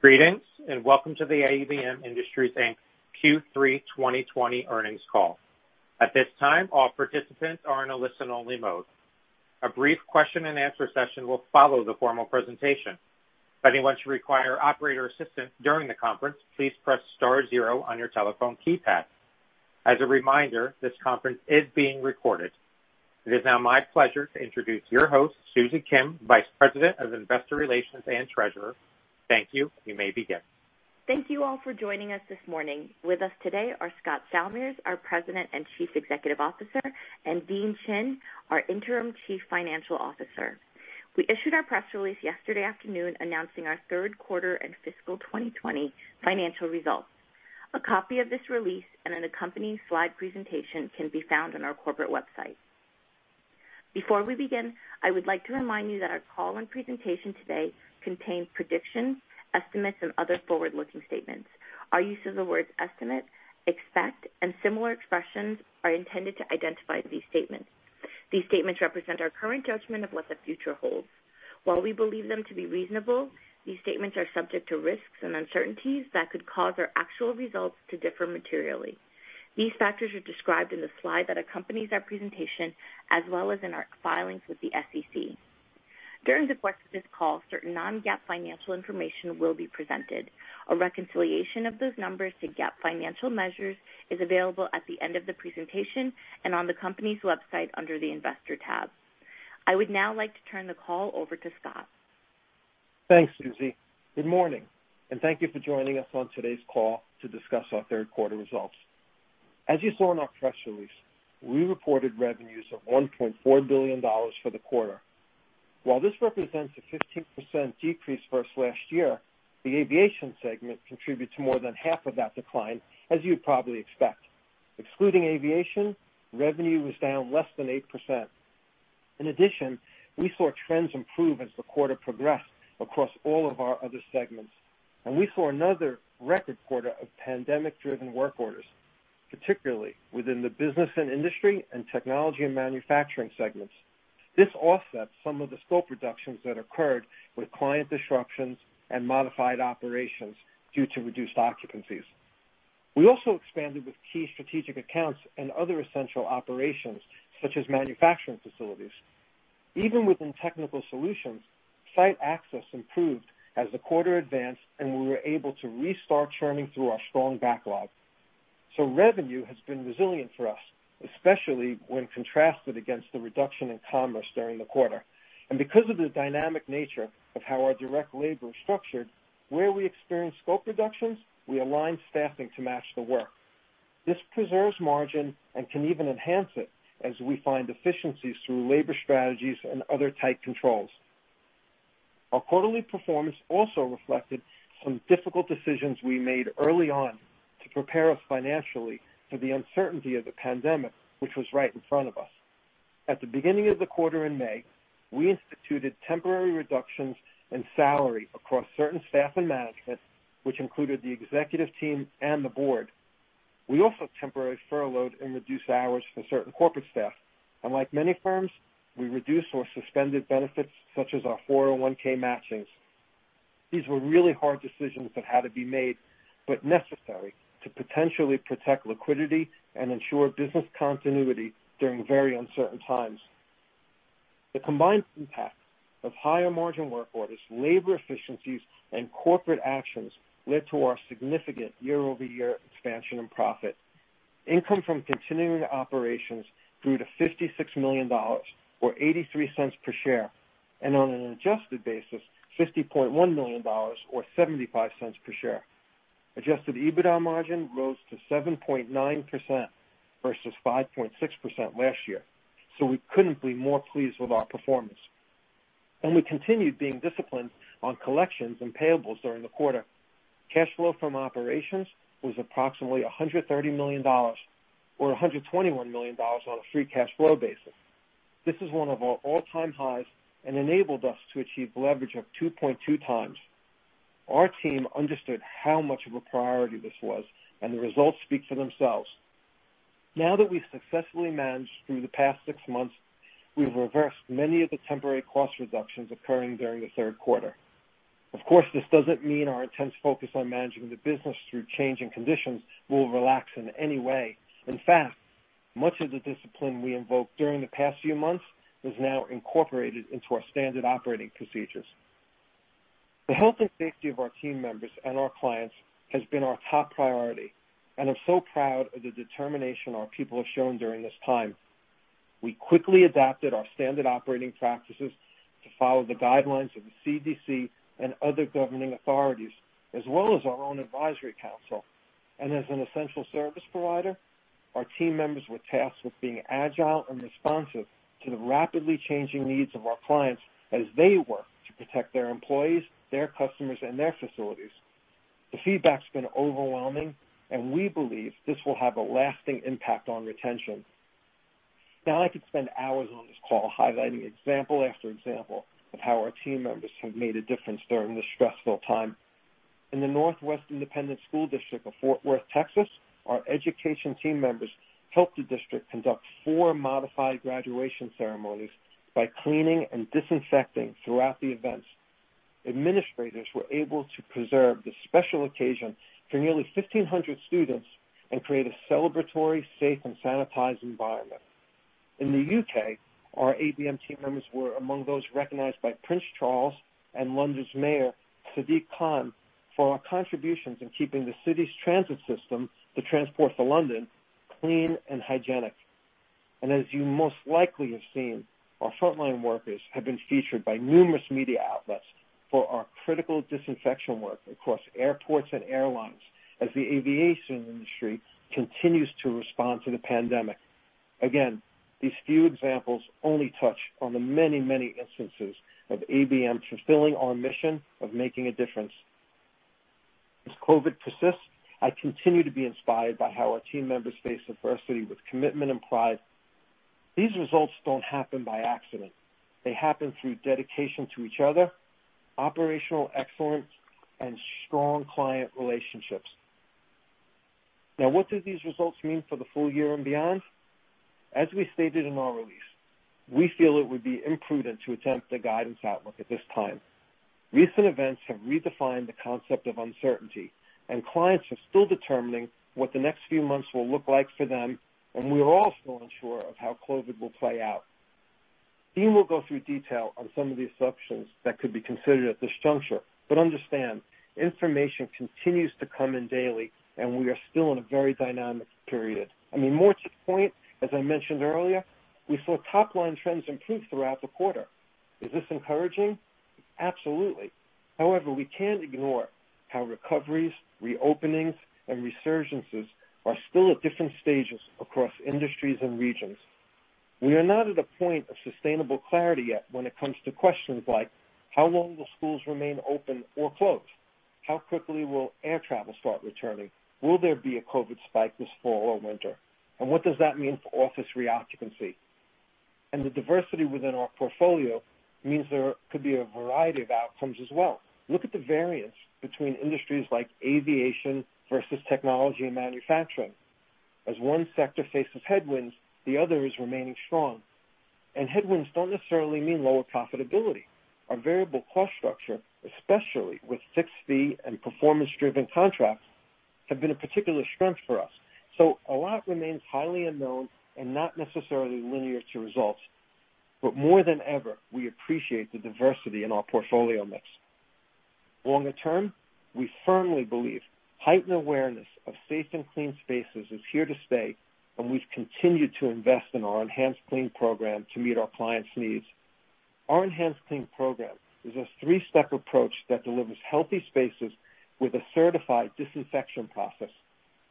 Greetings, and welcome to the ABM Industries Inc. Q3 2020 earnings call. At this time, all participants are in a listen-only mode. A brief question and answer session will follow the formal presentation. It is now my pleasure to introduce your host, Susie Kim, Vice President of Investor Relations and Treasurer. Thank you. You may begin. Thank you all for joining us this morning. With us today are Scott Salmirs, our President and Chief Executive Officer, and Dean Chin, our Interim Chief Financial Officer. We issued our press release yesterday afternoon announcing our third quarter and fiscal 2020 financial results. A copy of this release and an accompanying slide presentation can be found on our corporate website. Before we begin, I would like to remind you that our call and presentation today contain predictions, estimates, and other forward-looking statements. Our use of the words "estimate," "expect," and similar expressions are intended to identify these statements. These statements represent our current judgment of what the future holds. While we believe them to be reasonable, these statements are subject to risks and uncertainties that could cause our actual results to differ materially. These factors are described in the slide that accompanies our presentation, as well as in our filings with the SEC. During the course of this call, certain non-GAAP financial information will be presented. A reconciliation of those numbers to GAAP financial measures is available at the end of the presentation and on the company's website under the Investor tab. I would now like to turn the call over to Scott. Thanks, Susie. Good morning, and thank you for joining us on today's call to discuss our third quarter results. As you saw in our press release, we reported revenues of $1.4 billion for the quarter. While this represents a 15% decrease versus last year, the aviation segment contributes more than half of that decline, as you would probably expect. Excluding aviation, revenue was down less than 8%. In addition, we saw trends improve as the quarter progressed across all of our other segments, and we saw another record quarter of pandemic-driven work orders, particularly within the Business & Industry and Technology & Manufacturing segments. This offset some of the scope reductions that occurred with client disruptions and modified operations due to reduced occupancies. We also expanded with key strategic accounts and other essential operations such as manufacturing facilities. Even within Technical Solutions, site access improved as the quarter advanced, we were able to restart churning through our strong backlog. Revenue has been resilient for us, especially when contrasted against the reduction in commerce during the quarter. Because of the dynamic nature of how our direct labor is structured, where we experience scope reductions, we align staffing to match the work. This preserves margin and can even enhance it as we find efficiencies through labor strategies and other tight controls. Our quarterly performance also reflected some difficult decisions we made early on to prepare us financially for the uncertainty of the pandemic, which was right in front of us. At the beginning of the quarter in May, we instituted temporary reductions in salary across certain staff and management, which included the executive team and the board. We also temporarily furloughed and reduced hours for certain corporate staff. Like many firms, we reduced or suspended benefits such as our 401(k) matchings. These were really hard decisions that had to be made, but necessary to potentially protect liquidity and ensure business continuity during very uncertain times. The combined impact of higher margin work orders, labor efficiencies, and corporate actions led to our significant year-over-year expansion and profit. Income from continuing operations grew to $56 million, or $0.83 per share, and on an adjusted basis, $50.1 million or $0.75 per share. Adjusted EBITDA margin rose to 7.9% versus 5.6% last year. We couldn't be more pleased with our performance. We continued being disciplined on collections and payables during the quarter. Cash flow from operations was approximately $130 million, or $121 million on a free cash flow basis. This is one of our all-time highs and enabled us to achieve leverage of 2.2x. Our team understood how much of a priority this was, and the results speak for themselves. Now that we've successfully managed through the past six months, we've reversed many of the temporary cost reductions occurring during the third quarter. Of course, this doesn't mean our intense focus on managing the business through changing conditions will relax in any way. In fact, much of the discipline we invoked during the past few months is now incorporated into our standard operating procedures. The health and safety of our team members and our clients has been our top priority, and I'm so proud of the determination our people have shown during this time. We quickly adapted our standard operating practices to follow the guidelines of the CDC and other governing authorities, as well as our own advisory council. As an essential service provider, our team members were tasked with being agile and responsive to the rapidly changing needs of our clients as they work to protect their employees, their customers, and their facilities. The feedback's been overwhelming, and we believe this will have a lasting impact on retention. Now, I could spend hours on this call highlighting example after example of how our team members have made a difference during this stressful time. In the Northwest Independent School District of Fort Worth, Texas, our education team members helped the district conduct four modified graduation ceremonies by cleaning and disinfecting throughout the events. Administrators were able to preserve this special occasion for nearly 1,500 students and create a celebratory, safe, and sanitized environment. In the U.K., our ABM team members were among those recognized by Prince Charles and London's Mayor, Sadiq Khan, for our contributions in keeping the city's transit system, the Transport for London, clean and hygienic. As you most likely have seen, our frontline workers have been featured by numerous media outlets for our critical disinfection work across airports and airlines as the aviation industry continues to respond to the pandemic. Again, these few examples only touch on the many, many instances of ABM fulfilling our mission of making a difference. As COVID persists, I continue to be inspired by how our team members face adversity with commitment and pride. These results don't happen by accident. They happen through dedication to each other, operational excellence, and strong client relationships. Now, what do these results mean for the full year and beyond? As we stated in our release, we feel it would be imprudent to attempt a guidance outlook at this time. Recent events have redefined the concept of uncertainty, and clients are still determining what the next few months will look like for them, and we're all still unsure of how COVID will play out. Dean will go through detail on some of the assumptions that could be considered at this juncture. Understand, information continues to come in daily, and we are still in a very dynamic period. I mean, more to the point, as I mentioned earlier, we saw top-line trends improve throughout the quarter. Is this encouraging? Absolutely. However, we can't ignore how recoveries, reopenings, and resurgences are still at different stages across industries and regions. We are not at a point of sustainable clarity yet when it comes to questions like, how long will schools remain open or closed? How quickly will air travel start returning? Will there be a COVID-19 spike this fall or winter? What does that mean for office re-occupancy? The diversity within our portfolio means there could be a variety of outcomes as well. Look at the variance between industries like Aviation versus Technology Manufacturing. As one sector faces headwinds, the other is remaining strong. Headwinds don't necessarily mean lower profitability. Our variable cost structure, especially with fixed-fee and performance-driven contracts, have been a particular strength for us. A lot remains highly unknown and not necessarily linear to results. More than ever, we appreciate the diversity in our portfolio mix. Longer term, we firmly believe heightened awareness of safe and clean spaces is here to stay, and we've continued to invest in our EnhancedClean Program to meet our clients' needs. Our EnhancedClean Program is a three-step approach that delivers healthy spaces with a certified disinfection process.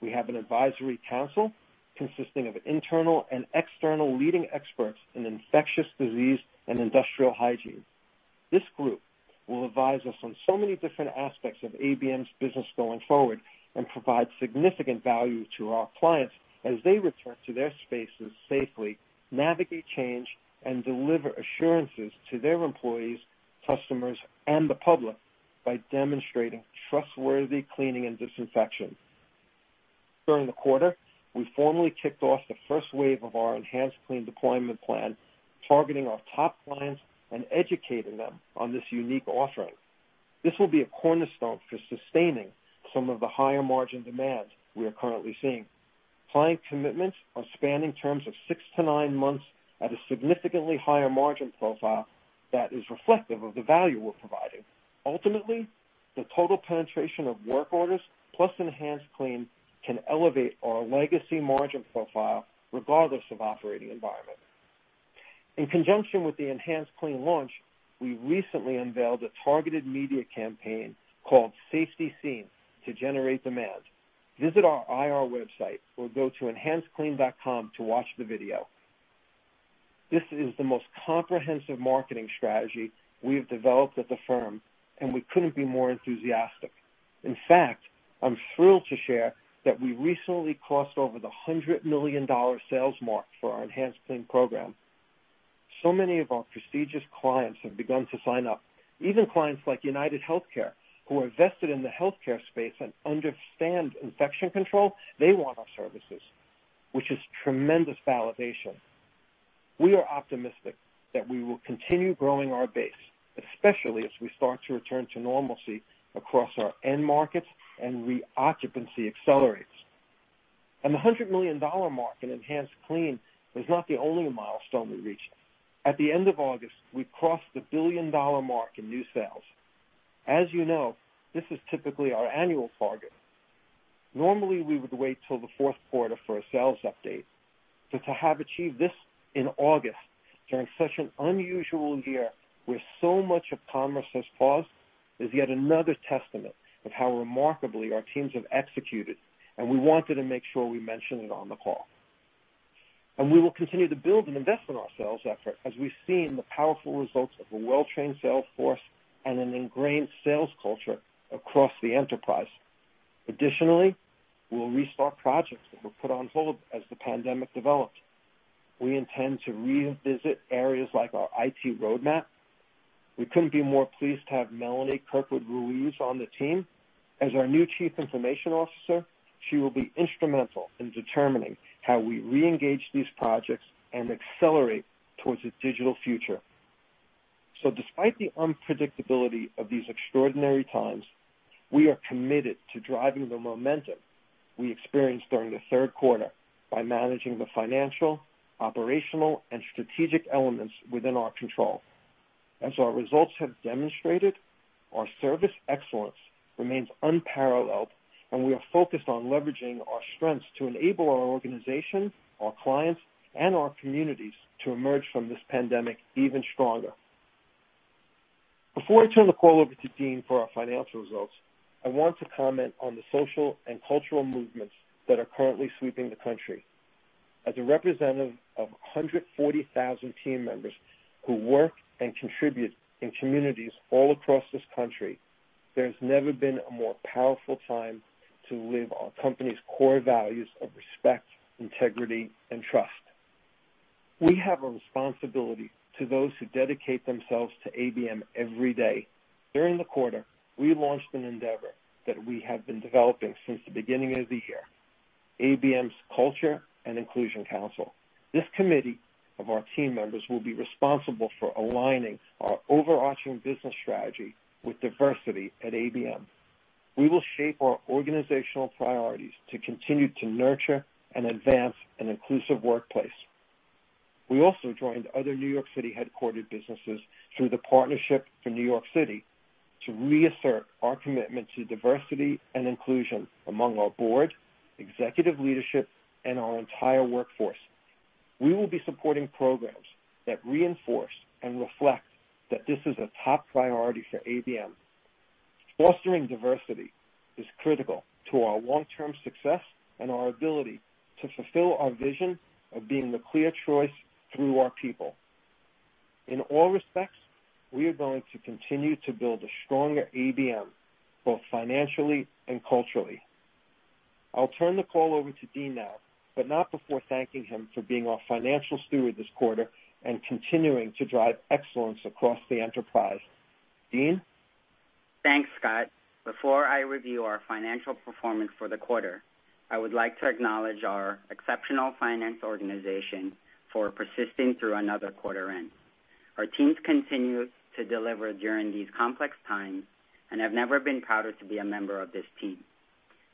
We have an advisory council consisting of internal and external leading experts in infectious disease and industrial hygiene. This group will advise us on so many different aspects of ABM's business going forward and provide significant value to our clients as they return to their spaces safely, navigate change, and deliver assurances to their employees, customers, and the public by demonstrating trustworthy cleaning and disinfection. During the quarter, we formally kicked off the first wave of our EnhancedClean deployment plan, targeting our top clients and educating them on this unique offering. This will be a cornerstone for sustaining some of the higher margin demands we are currently seeing. Client commitments are spanning terms of six to nine months at a significantly higher margin profile that is reflective of the value we're providing. Ultimately, the total penetration of work orders plus EnhancedClean can elevate our legacy margin profile regardless of operating environment. In conjunction with the EnhancedClean launch, we recently unveiled a targeted media campaign called Safety Seen to generate demand. Visit our IR website or go to enhancedclean.com to watch the video. This is the most comprehensive marketing strategy we have developed at the firm, and we couldn't be more enthusiastic. I'm thrilled to share that we recently crossed over the $100 million sales mark for our EnhancedClean Program. Many of our prestigious clients have begun to sign up. Even clients like UnitedHealthcare, who are vested in the healthcare space and understand infection control, they want our services, which is tremendous validation. We are optimistic that we will continue growing our base, especially as we start to return to normalcy across our end markets and re-occupancy accelerates. The $100 million mark in EnhancedClean was not the only milestone we reached. At the end of August, we crossed the billion-dollar mark in new sales. As you know, this is typically our annual target. Normally, we would wait till the fourth quarter for a sales update. To have achieved this in August, during such an unusual year where so much of commerce has paused, is yet another testament of how remarkably our teams have executed, and we wanted to make sure we mention it on the call. We will continue to build and invest in our sales effort as we've seen the powerful results of a well-trained sales force and an ingrained sales culture across the enterprise. Additionally, we'll restart projects that were put on hold as the pandemic developed. We intend to revisit areas like our IT roadmap. We couldn't be more pleased to have Melanie Kirkwood Ruiz on the team as our new Chief Information Officer. She will be instrumental in determining how we reengage these projects and accelerate towards a digital future. Despite the unpredictability of these extraordinary times, we are committed to driving the momentum we experienced during the third quarter by managing the financial, operational, and strategic elements within our control. As our results have demonstrated, our service excellence remains unparalleled, and we are focused on leveraging our strengths to enable our organization, our clients, and our communities to emerge from this pandemic even stronger. Before I turn the call over to Dean for our financial results, I want to comment on the social and cultural movements that are currently sweeping the country. As a representative of 140,000 team members who work and contribute in communities all across this country, there's never been a more powerful time to live our company's core values of respect, integrity, and trust. We have a responsibility to those who dedicate themselves to ABM every day. During the quarter, we launched an endeavor that we have been developing since the beginning of the year, ABM Culture & Inclusion Council. This committee of our team members will be responsible for aligning our overarching business strategy with diversity at ABM. We will shape our organizational priorities to continue to nurture and advance an inclusive workplace. We also joined other New York City-headquartered businesses through the Partnership for New York City to reassert our commitment to diversity and inclusion among our board, executive leadership, and our entire workforce. We will be supporting programs that reinforce and reflect that this is a top priority for ABM. Fostering diversity is critical to our long-term success and our ability to fulfill our vision of being the clear choice through our people. In all respects, we are going to continue to build a stronger ABM, both financially and culturally. I'll turn the call over to Dean now, but not before thanking him for being our financial steward this quarter and continuing to drive excellence across the enterprise. Dean? Thanks, Scott. Before I review our financial performance for the quarter, I would like to acknowledge our exceptional finance organization for persisting through another quarter end. Our teams continue to deliver during these complex times, and I've never been prouder to be a member of this team.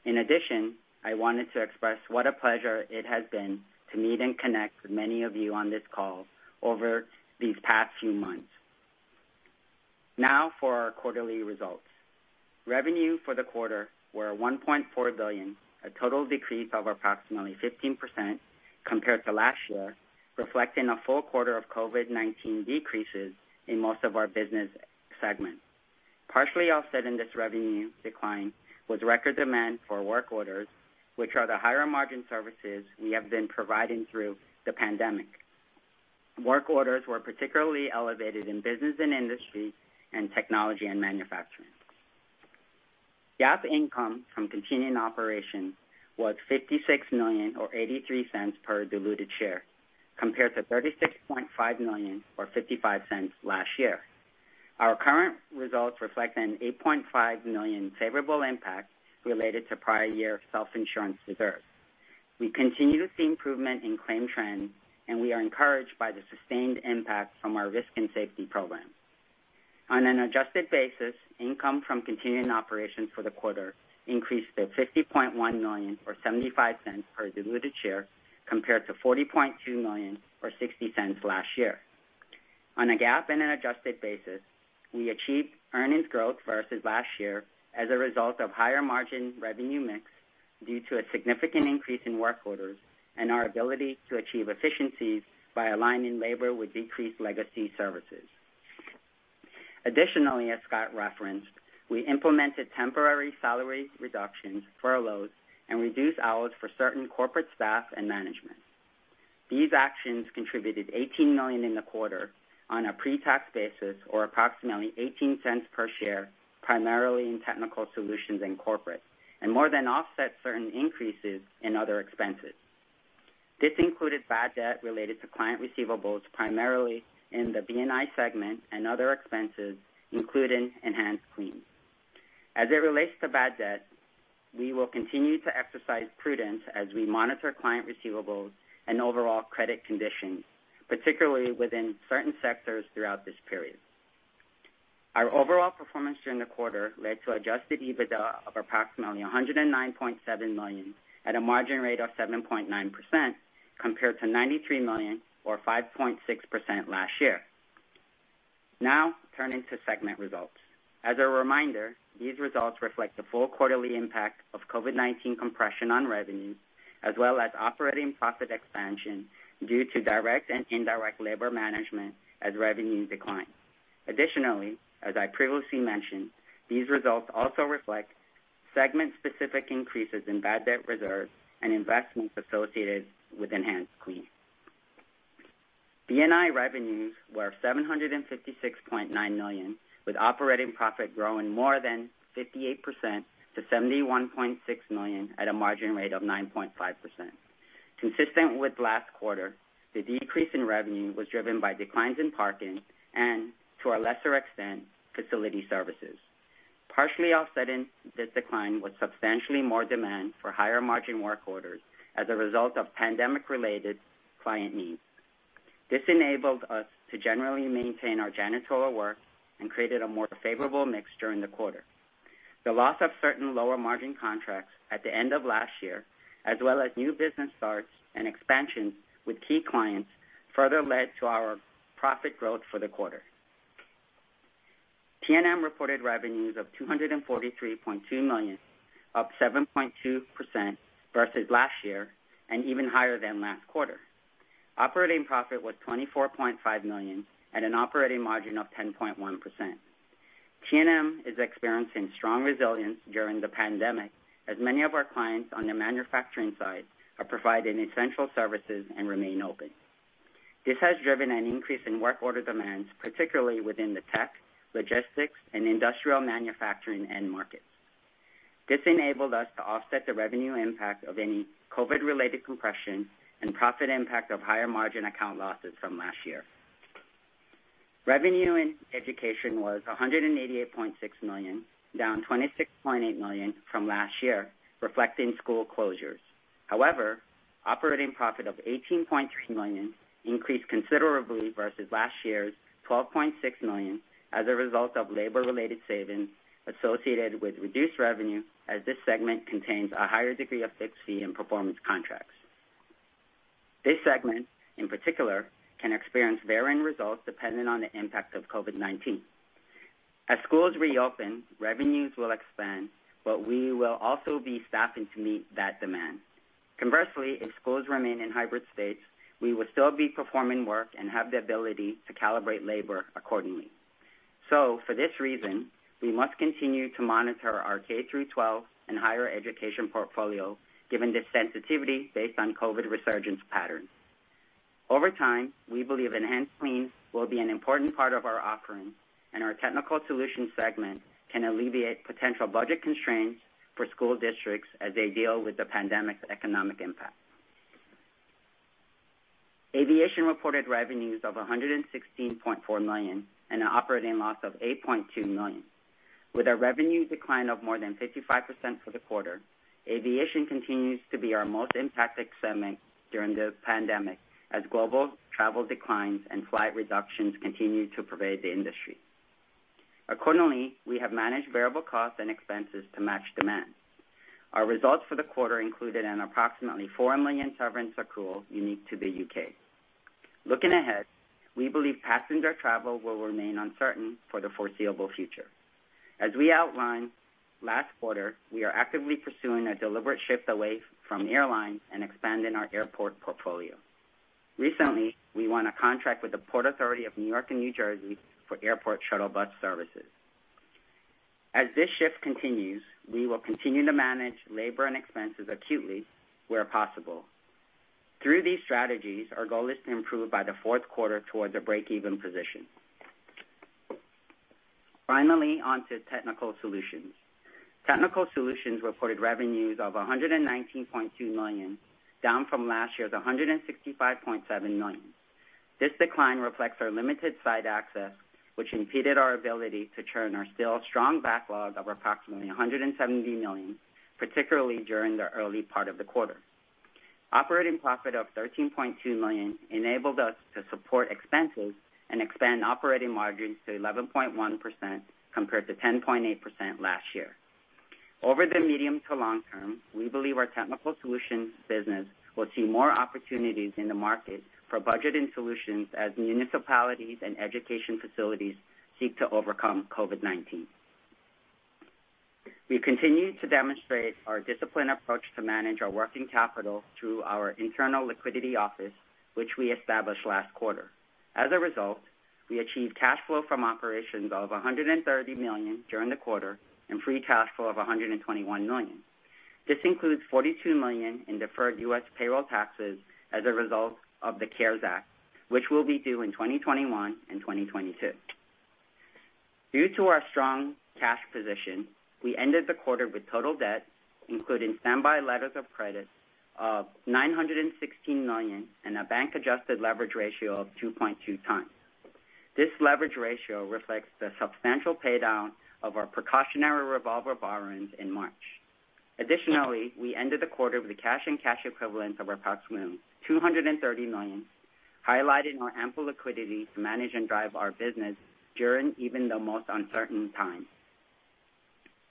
In addition, I wanted to express what a pleasure it has been to meet and connect with many of you on this call over these past few months. Now for our quarterly results. Revenue for the quarter were $1.4 billion, a total decrease of approximately 15% compared to last year, reflecting a full quarter of COVID-19 decreases in most of our business segments. Partially offset in this revenue decline was record demand for work orders, which are the higher margin services we have been providing through the pandemic. Work orders were particularly elevated in Business & Industry and Technology & Manufacturing. GAAP income from continuing operation was $56 million or $0.83 per diluted share, compared to $36.5 million or $0.55 last year. Our current results reflect an $8.5 million favorable impact related to prior year self-insurance reserves. We continue to see improvement in claim trends, and we are encouraged by the sustained impact from our risk and safety programs. On an adjusted basis, income from continuing operations for the quarter increased to $50.1 million or $0.75 per diluted share, compared to $40.2 million or $0.60 last year. On a GAAP and an adjusted basis, we achieved earnings growth versus last year as a result of higher margin revenue mix due to a significant increase in work orders and our ability to achieve efficiencies by aligning labor with decreased legacy services. Additionally, as Scott referenced, we implemented temporary salary reductions, furloughs, and reduced hours for certain corporate staff and management. These actions contributed $18 million in the quarter on a pre-tax basis or approximately $0.18 per share, primarily in Technical Solutions and corporate, and more than offset certain increases in other expenses. This included bad debt related to client receivables, primarily in the B&I segment and other expenses, including EnhancedClean. As it relates to bad debt, we will continue to exercise prudence as we monitor client receivables and overall credit conditions, particularly within certain sectors throughout this period. Our overall performance during the quarter led to adjusted EBITDA of approximately $109.7 million at a margin rate of 7.9%, compared to $93 million or 5.6% last year. Now, turning to segment results. As a reminder, these results reflect the full quarterly impact of COVID-19 compression on revenue, as well as operating profit expansion due to direct and indirect labor management as revenue declines. Additionally, as I previously mentioned, these results also reflect segment-specific increases in bad debt reserves and investments associated with EnhancedClean. B&I revenues were $756.9 million, with operating profit growing more than 58% to $71.6 million at a margin rate of 9.5%. Consistent with last quarter, the decrease in revenue was driven by declines in parking and, to a lesser extent, facility services. Partially offsetting this decline was substantially more demand for higher margin work orders as a result of pandemic-related client needs. This enabled us to generally maintain our janitorial work and created a more favorable mix during the quarter. The loss of certain lower margin contracts at the end of last year, as well as new business starts and expansions with key clients, further led to our profit growth for the quarter. T&M reported revenues of $243.2 million, up 7.2% versus last year, and even higher than last quarter. Operating profit was $24.5 million at an operating margin of 10.1%. T&M is experiencing strong resilience during the pandemic, as many of our clients on the manufacturing side are providing essential services and remain open. This has driven an increase in work order demands, particularly within the tech, logistics, and industrial manufacturing end markets. This enabled us to offset the revenue impact of any COVID-19-related compression and profit impact of higher margin account losses from last year. Revenue in education was $188.6 million, down $26.8 million from last year, reflecting school closures. However, operating profit of $18.3 million increased considerably versus last year's $12.6 million as a result of labor-related savings associated with reduced revenue, as this segment contains a higher degree of fixed fee and performance contracts. This segment, in particular, can experience varying results depending on the impact of COVID-19. As schools reopen, revenues will expand, but we will also be staffing to meet that demand. Conversely, if schools remain in hybrid states, we will still be performing work and have the ability to calibrate labor accordingly. For this reason, we must continue to monitor our K-12 and higher education portfolio given the sensitivity based on COVID resurgence patterns. Over time, we believe EnhancedClean will be an important part of our offering, and our Technical Solutions segment can alleviate potential budget constraints for school districts as they deal with the pandemic's economic impact. Aviation reported revenues of $116.4 million and an operating loss of $8.2 million. With a revenue decline of more than 55% for the quarter, aviation continues to be our most impacted segment during the pandemic as global travel declines and flight reductions continue to pervade the industry. We have managed variable costs and expenses to match demand. Our results for the quarter included an approximately $4 million severance accrual unique to the U.K. Looking ahead, we believe passenger travel will remain uncertain for the foreseeable future. As we outlined last quarter, we are actively pursuing a deliberate shift away from airlines and expanding our airport portfolio. Recently, we won a contract with the Port Authority of New York and New Jersey for airport shuttle bus services. As this shift continues, we will continue to manage labor and expenses acutely where possible. Through these strategies, our goal is to improve by the fourth quarter towards a break-even position. Finally, on to Technical Solutions. Technical Solutions reported revenues of $119.2 million, down from last year's $165.7 million. This decline reflects our limited site access, which impeded our ability to churn our still strong backlog of approximately $170 million, particularly during the early part of the quarter. Operating profit of $13.2 million enabled us to support expenses and expand operating margins to 11.1%, compared to 10.8% last year. Over the medium to long term, we believe our Technical Solutions business will see more opportunities in the market for budgeting solutions as municipalities and education facilities seek to overcome COVID-19. We continue to demonstrate our disciplined approach to manage our working capital through our internal liquidity office, which we established last quarter. As a result, we achieved cash flow from operations of $130 million during the quarter and free cash flow of $121 million. This includes $42 million in deferred U.S. payroll taxes as a result of the CARES Act, which will be due in 2021 and 2022. Due to our strong cash position, we ended the quarter with total debt, including standby letters of credit, of $916 million and a bank-adjusted leverage ratio of 2.2x. This leverage ratio reflects the substantial paydown of our precautionary revolver borrowings in March. We ended the quarter with a cash and cash equivalent of approximately $230 million, highlighting our ample liquidity to manage and drive our business during even the most uncertain times.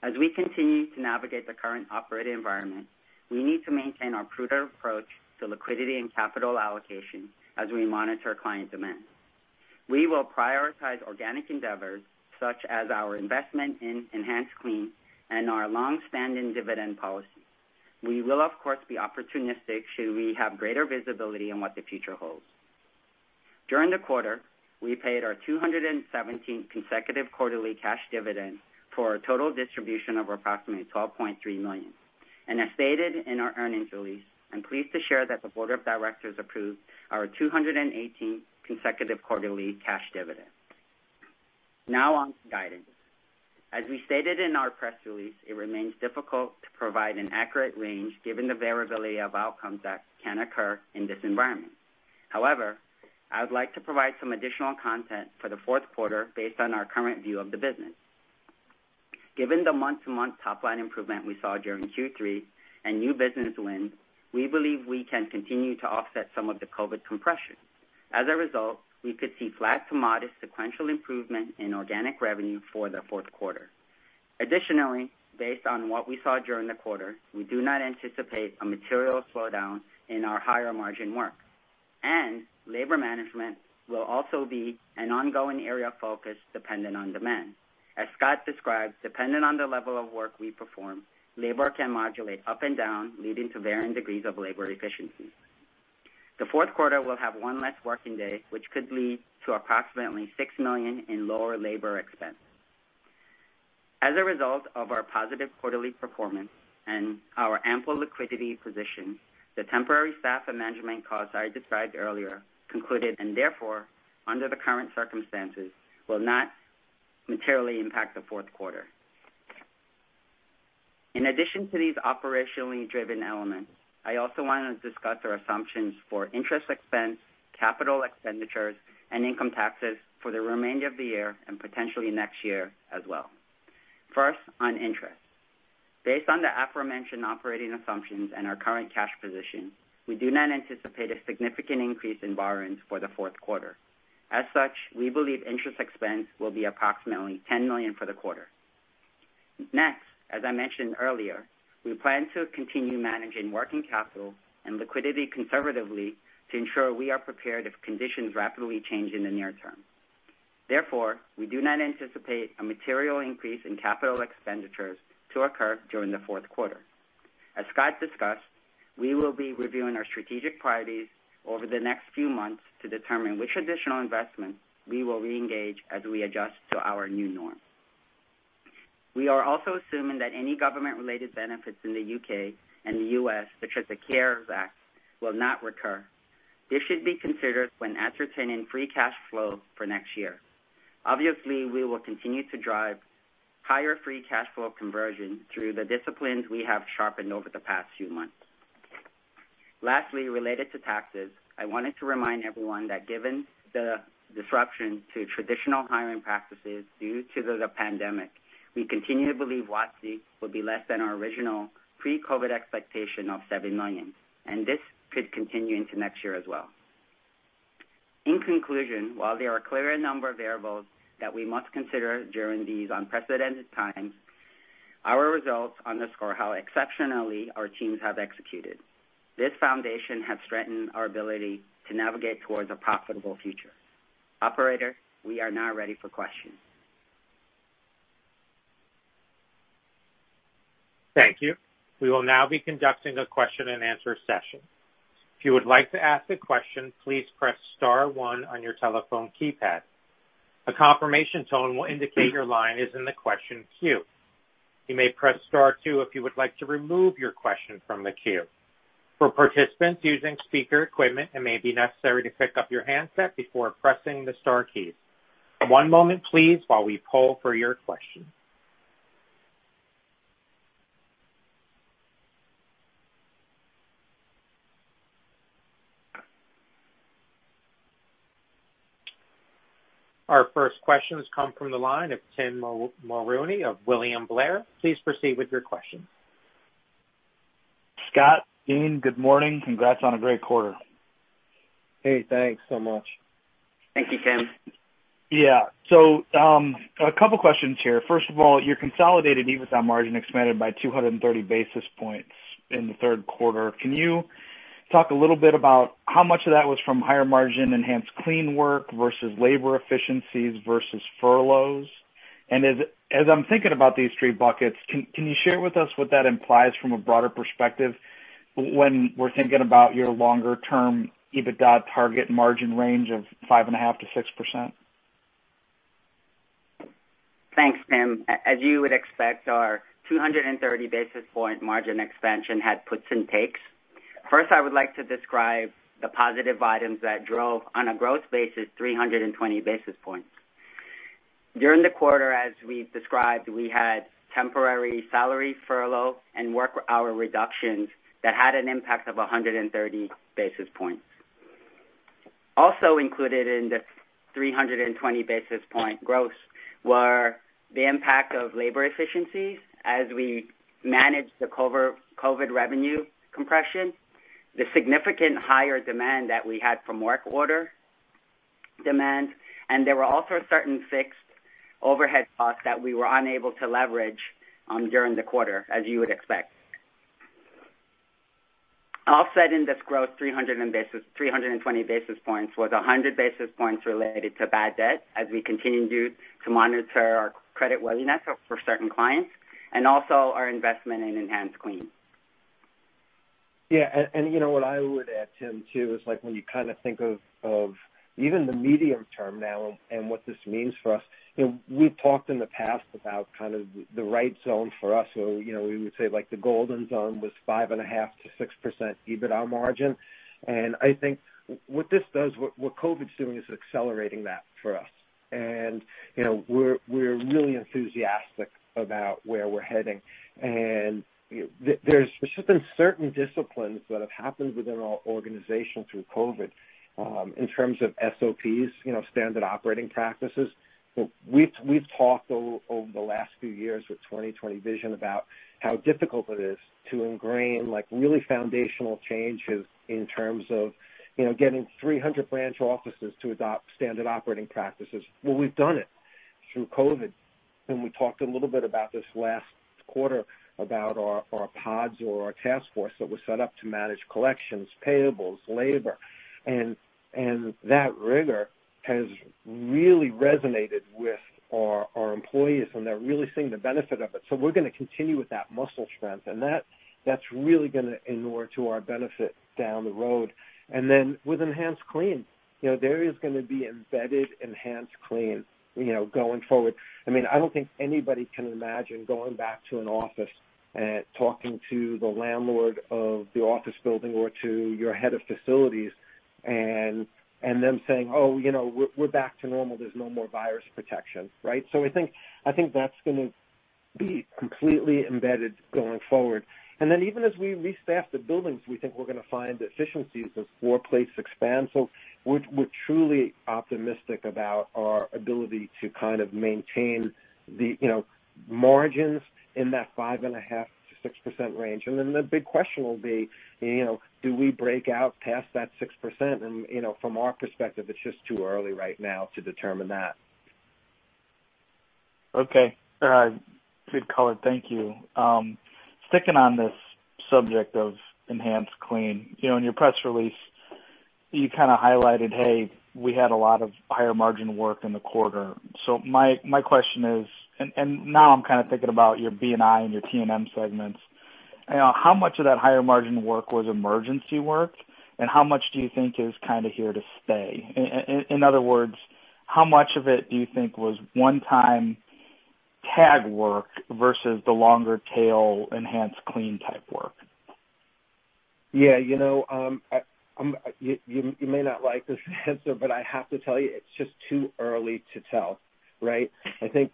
As we continue to navigate the current operating environment, we need to maintain our prudent approach to liquidity and capital allocation as we monitor client demand. We will prioritize organic endeavors, such as our investment in EnhancedClean and our longstanding dividend policy. We will, of course, be opportunistic should we have greater visibility on what the future holds. During the quarter, we paid our 217th consecutive quarterly cash dividend for a total distribution of approximately $12.3 million. As stated in our earnings release, I'm pleased to share that the board of directors approved our 218th consecutive quarterly cash dividend. Now on to guidance. As we stated in our press release, it remains difficult to provide an accurate range given the variability of outcomes that can occur in this environment. However, I would like to provide some additional content for the fourth quarter based on our current view of the business. Given the month-to-month top-line improvement we saw during Q3 and new business wins, we believe we can continue to offset some of the COVID-19 compression. As a result, we could see flat to modest sequential improvement in organic revenue for the fourth quarter. Additionally, based on what we saw during the quarter, we do not anticipate a material slowdown in our higher margin work. Labor management will also be an ongoing area of focus dependent on demand. As Scott described, dependent on the level of work we perform, labor can modulate up and down, leading to varying degrees of labor efficiency. The fourth quarter will have one less working day, which could lead to approximately $6 million in lower labor expense. As a result of our positive quarterly performance and our ample liquidity position, the temporary staff and management costs I described earlier concluded, and therefore, under the current circumstances, will not materially impact the fourth quarter. In addition to these operationally driven elements, I also want to discuss our assumptions for interest expense, capital expenditures, and income taxes for the remainder of the year and potentially next year as well. First, on interest. Based on the aforementioned operating assumptions and our current cash position, we do not anticipate a significant increase in borrowings for the fourth quarter. As such, we believe interest expense will be approximately $10 million for the quarter. Next, as I mentioned earlier, we plan to continue managing working capital and liquidity conservatively to ensure we are prepared if conditions rapidly change in the near term. Therefore, we do not anticipate a material increase in capital expenditures to occur during the fourth quarter. As Scott discussed, we will be reviewing our strategic priorities over the next few months to determine which additional investments we will reengage as we adjust to our new norm. We are also assuming that any government-related benefits in the U.K. and the U.S., such as the CARES Act, will not recur. This should be considered when ascertaining free cash flow for next year. Obviously, we will continue to drive higher free cash flow conversion through the disciplines we have sharpened over the past few months. Lastly, related to taxes, I wanted to remind everyone that given the disruption to traditional hiring practices due to the pandemic, we continue to believe WOTC will be less than our original pre-COVID expectation of $7 million, and this could continue into next year as well. In conclusion, while there are a clear number of variables that we must consider during these unprecedented times, our results underscore how exceptionally our teams have executed. This foundation has strengthened our ability to navigate towards a profitable future. Operator, we are now ready for questions. Thank you. We will now be conducting a question and answer session. If you would like to ask a question, please press star one on your telephone keypad. A confirmation tone will indicate your line is in the question queue. You may press star two if you would like to remove your question from the queue. For participants using speaker equipment, it may be necessary to pick up your handset before pressing the star keys. One moment, please, while we poll for your question. Our first question comes from the line of Tim Mulrooney of William Blair. Please proceed with your question. Scott, Dean, good morning. Congrats on a great quarter. Hey, thanks so much. Thank you, Tim. A couple questions here. First of all, your consolidated EBITDA margin expanded by 230 basis points in the third quarter. Can you talk a little bit about how much of that was from higher margin EnhancedClean work versus labor efficiencies versus furloughs? As I'm thinking about these three buckets, can you share with us what that implies from a broader perspective when we're thinking about your longer-term EBITDA target margin range of 5.5%-6%? Thanks, Tim. As you would expect, our 230 basis point margin expansion had puts and takes. First, I would like to describe the positive items that drove, on a gross basis, 320 basis points. During the quarter, as we described, we had temporary salary furlough and work hour reductions that had an impact of 130 basis points. Also included in the 320 basis point gross were the impact of labor efficiencies as we managed the COVID revenue compression, the significant higher demand that we had from work order demand, and there were also certain fixed overhead costs that we were unable to leverage during the quarter, as you would expect. Offsetting this gross 320 basis points was 100 basis points related to bad debt as we continue to monitor our credit worthiness for certain clients and also our investment in EnhancedClean. Yeah. What I would add, Tim, too, is when you think of even the medium term now and what this means for us. We've talked in the past about the right zone for us. We would say like the golden zone was 5.5%-6% EBITDA margin. I think what this does, what COVID's doing, is accelerating that for us. We're really enthusiastic about where we're heading. There's just been certain disciplines that have happened within our organization through COVID, in terms of SOPs, standard operating practices. We've talked over the last few years with 2020 Vision about how difficult it is to ingrain really foundational changes in terms of getting 300 branch offices to adopt standard operating practices. We've done it through COVID. We talked a little bit about this last quarter, about our pods or our task force that was set up to manage collections, payables, labor. That rigor has really resonated with our employees, and they're really seeing the benefit of it. We're going to continue with that muscle strength, and that's really going to inure to our benefit down the road. With EnhancedClean, there is going to be embedded EnhancedClean going forward. I don't think anybody can imagine going back to an office and talking to the landlord of the office building or to your head of facilities and them saying, "Oh, we're back to normal. There's no more virus protection." Right? I think that's going to be completely embedded going forward. Even as we restaff the buildings, we think we're going to find efficiencies as floor plates expand. We're truly optimistic about our ability to maintain the margins in that 5.5%-6% range. The big question will be, do we break out past that 6%? From our perspective, it's just too early right now to determine that. Okay. All right. Good color. Thank you. Sticking on this subject of EnhancedClean. In your press release, you highlighted, we had a lot of higher margin work in the quarter. My question is, now I'm thinking about your B&I and your T&M segments. How much of that higher margin work was emergency work, and how much do you think is here to stay? In other words, how much of it do you think was one-time tag work versus the longer tail EnhancedClean type work? Yeah. You may not like this answer, but I have to tell you, it's just too early to tell, right? I think,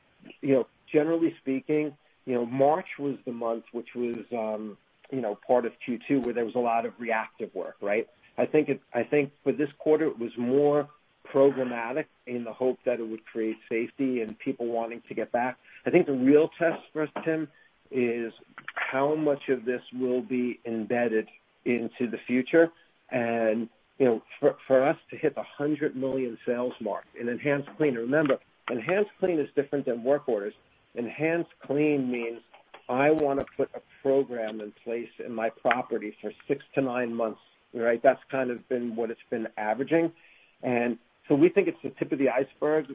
generally speaking, March was the month which was part of Q2 where there was a lot of reactive work, right? I think with this quarter, it was more programmatic in the hope that it would create safety and people wanting to get back. For us to hit the $100 million sales mark in EnhancedClean. Remember, EnhancedClean is different than work orders. EnhancedClean means I want to put a program in place in my property for six to nine months, right? That's kind of been what it's been averaging. We think it's the tip of the iceberg.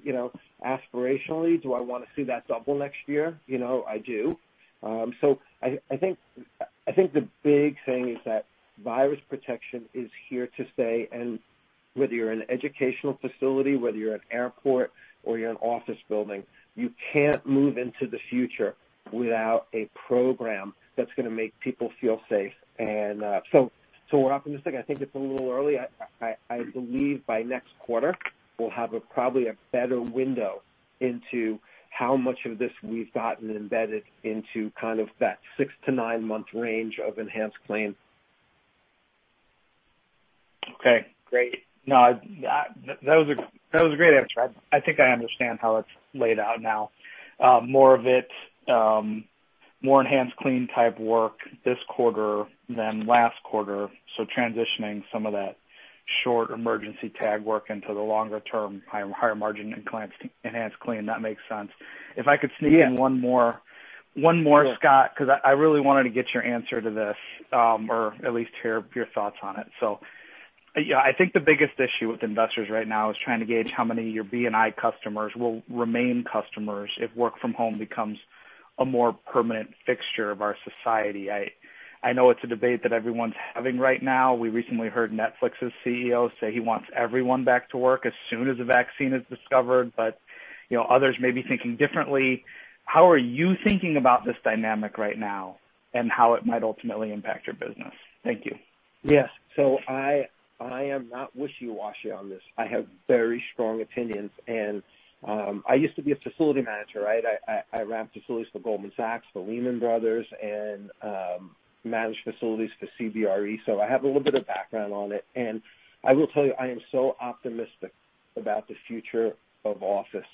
Aspirationally, do I want to see that double next year? I do. I think the big thing is that virus protection is here to stay. Whether you're an educational facility, whether you're an airport or you're an office building, you can't move into the future without a program that's going to make people feel safe. We're optimistic. I think it's a little early. I believe by next quarter, we'll have probably a better window into how much of this we've gotten embedded into kind of that six to nine-month range of EnhancedClean. Okay, great. No, that was a great answer. I think I understand how it's laid out now. More EnhancedClean type work this quarter than last quarter. Transitioning some of that short emergency tag work into the longer-term, higher margin EnhancedClean. That makes sense. Yeah one more, Scott, because I really wanted to get your answer to this, or at least hear your thoughts on it. I think the biggest issue with investors right now is trying to gauge how many of your B&I customers will remain customers if work from home becomes a more permanent fixture of our society. I know it's a debate that everyone's having right now. We recently heard Netflix's CEO say he wants everyone back to work as soon as a vaccine is discovered, but others may be thinking differently. How are you thinking about this dynamic right now and how it might ultimately impact your business? Thank you. Yes. I am not wishy-washy on this. I have very strong opinions. I used to be a facility manager, right? I ran facilities for Goldman Sachs, for Lehman Brothers, and managed facilities for CBRE. I have a little bit of background on it. I will tell you, I am so optimistic about the future of office.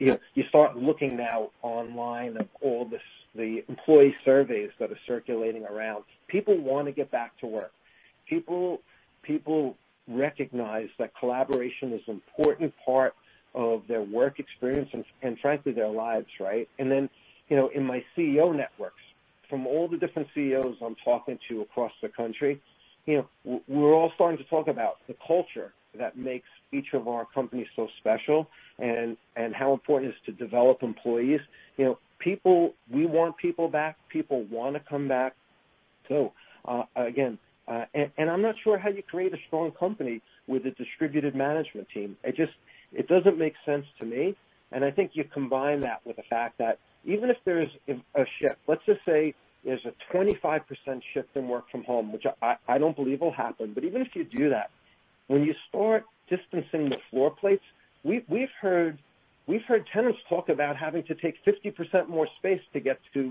You start looking now online at all the employee surveys that are circulating around. People want to get back to work. People recognize that collaboration is an important part of their work experience and frankly, their lives, right? In my CEO networks, from all the different CEOs I'm talking to across the country, we're all starting to talk about the culture that makes each of our companies so special and how important it is to develop employees. We want people back. People want to come back. Again, I'm not sure how you create a strong company with a distributed management team. It doesn't make sense to me. I think you combine that with the fact that even if there's a shift, let's just say there's a 25% shift in work from home, which I don't believe will happen, but even if you do that, when you start distancing the floor plates, we've heard tenants talk about having to take 50% more space to get to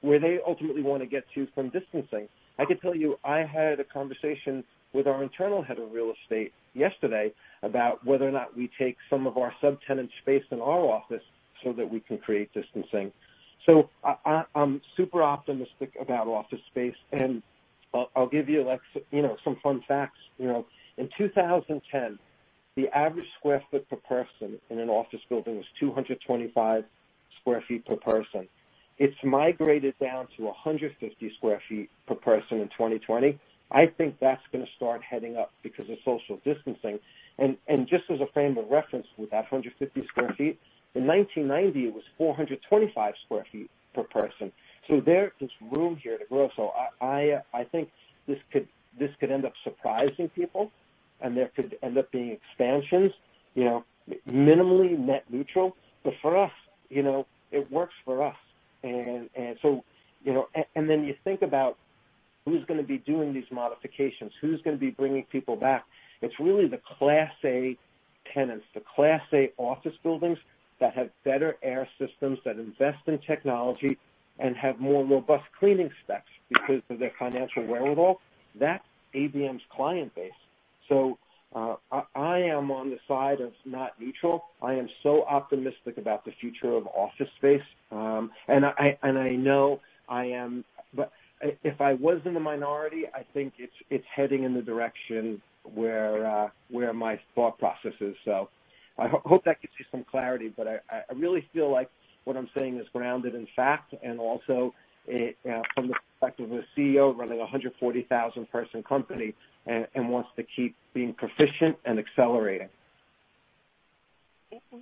where they ultimately want to get to from distancing. I can tell you, I had a conversation with our internal head of real estate yesterday about whether or not we take some of our subtenant space in our office so that we can create distancing. I'm super optimistic about office space, and I'll give you some fun facts. In 2010, the average sq ft per person in an office building was 225 sq ft per person. It's migrated down to 150 sq ft per person in 2020. I think that's going to start heading up because of social distancing. Just as a frame of reference with that 150 sq ft, in 1990, it was 425 sq ft per person. There is room here to grow. I think this could end up surprising people, and there could end up being expansions, minimally net neutral. For us, it works for us. Then you think about who's going to be doing these modifications, who's going to be bringing people back. It's really the Class A tenants, the Class A office buildings that have better air systems, that invest in technology, and have more robust cleaning specs because of their financial wherewithal. That's ABM's client base. I am on the side of not neutral. I am so optimistic about the future of office space. If I was in the minority, I think it's heading in the direction where my thought process is. I hope that gives you some clarity, but I really feel like what I'm saying is grounded in fact, and also from the perspective of a CEO running a 140,000-person company, and wants to keep being proficient and accelerating.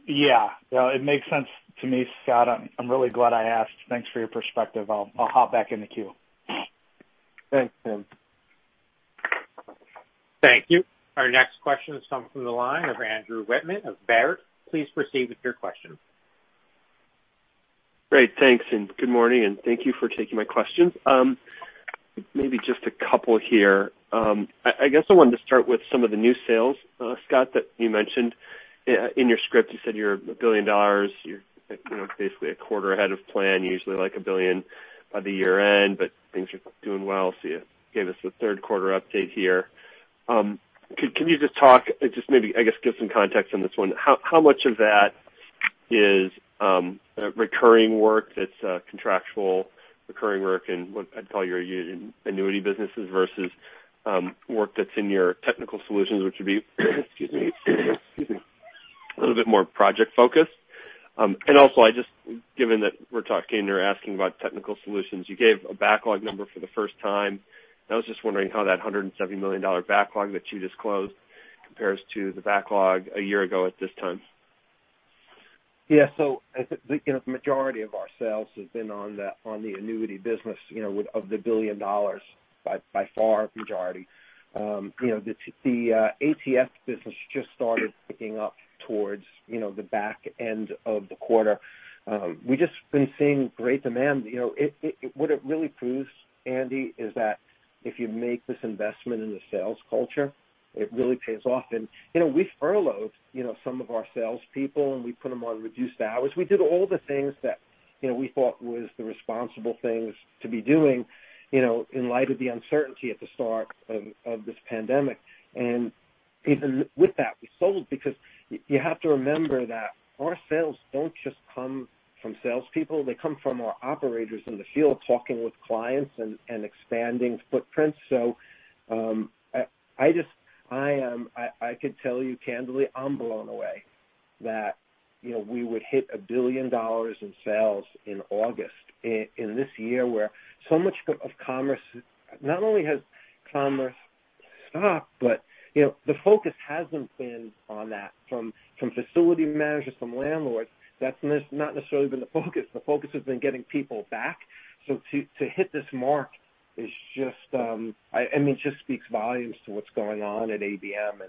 Yeah. No, it makes sense to me, Scott. I'm really glad I asked. Thanks for your perspective. I'll hop back in the queue. Thanks, Tim. Thank you. Our next question is coming from the line of Andrew Wittmann of Baird. Please proceed with your question. Great. Thanks, and good morning, and thank you for taking my questions. Maybe just a couple here. I guess I wanted to start with some of the new sales, Scott, that you mentioned. In your script, you said you're $1 billion. You're basically a quarter ahead of plan, usually like $1 billion by the year-end, but things are doing well, so you gave us the third quarter update here. Can you just talk, just maybe, I guess, give some context on this one. How much of that is recurring work that's contractual recurring work and what I'd call your annuity businesses versus work that's in your Technical Solutions, which would be excuse me, a little bit more project-focused. Also, just given that we're talking or asking about Technical Solutions, you gave a backlog number for the first time, and I was just wondering how that $170 million backlog that you disclosed compares to the backlog a year ago at this time. Yeah. I think a majority of our sales have been on the annuity business of the $1 billion. By far, a majority. The ATS business just started picking up towards the back end of the quarter. We've just been seeing great demand. What it really proves, Andy, is that if you make this investment in the sales culture, it really pays off. We furloughed some of our salespeople, and we put them on reduced hours. We did all the things that we thought was the responsible things to be doing in light of the uncertainty at the start of this pandemic. Even with that, we sold because you have to remember that our sales don't just come from salespeople. They come from our operators in the field talking with clients and expanding footprints. I could tell you candidly, I'm blown away that we would hit $1 billion in sales in August in this year where so much of commerce. Not only has commerce stopped, but the focus hasn't been on that from facility managers, from landlords. That's not necessarily been the focus. The focus has been getting people back. To hit this mark, it just speaks volumes to what's going on at ABM,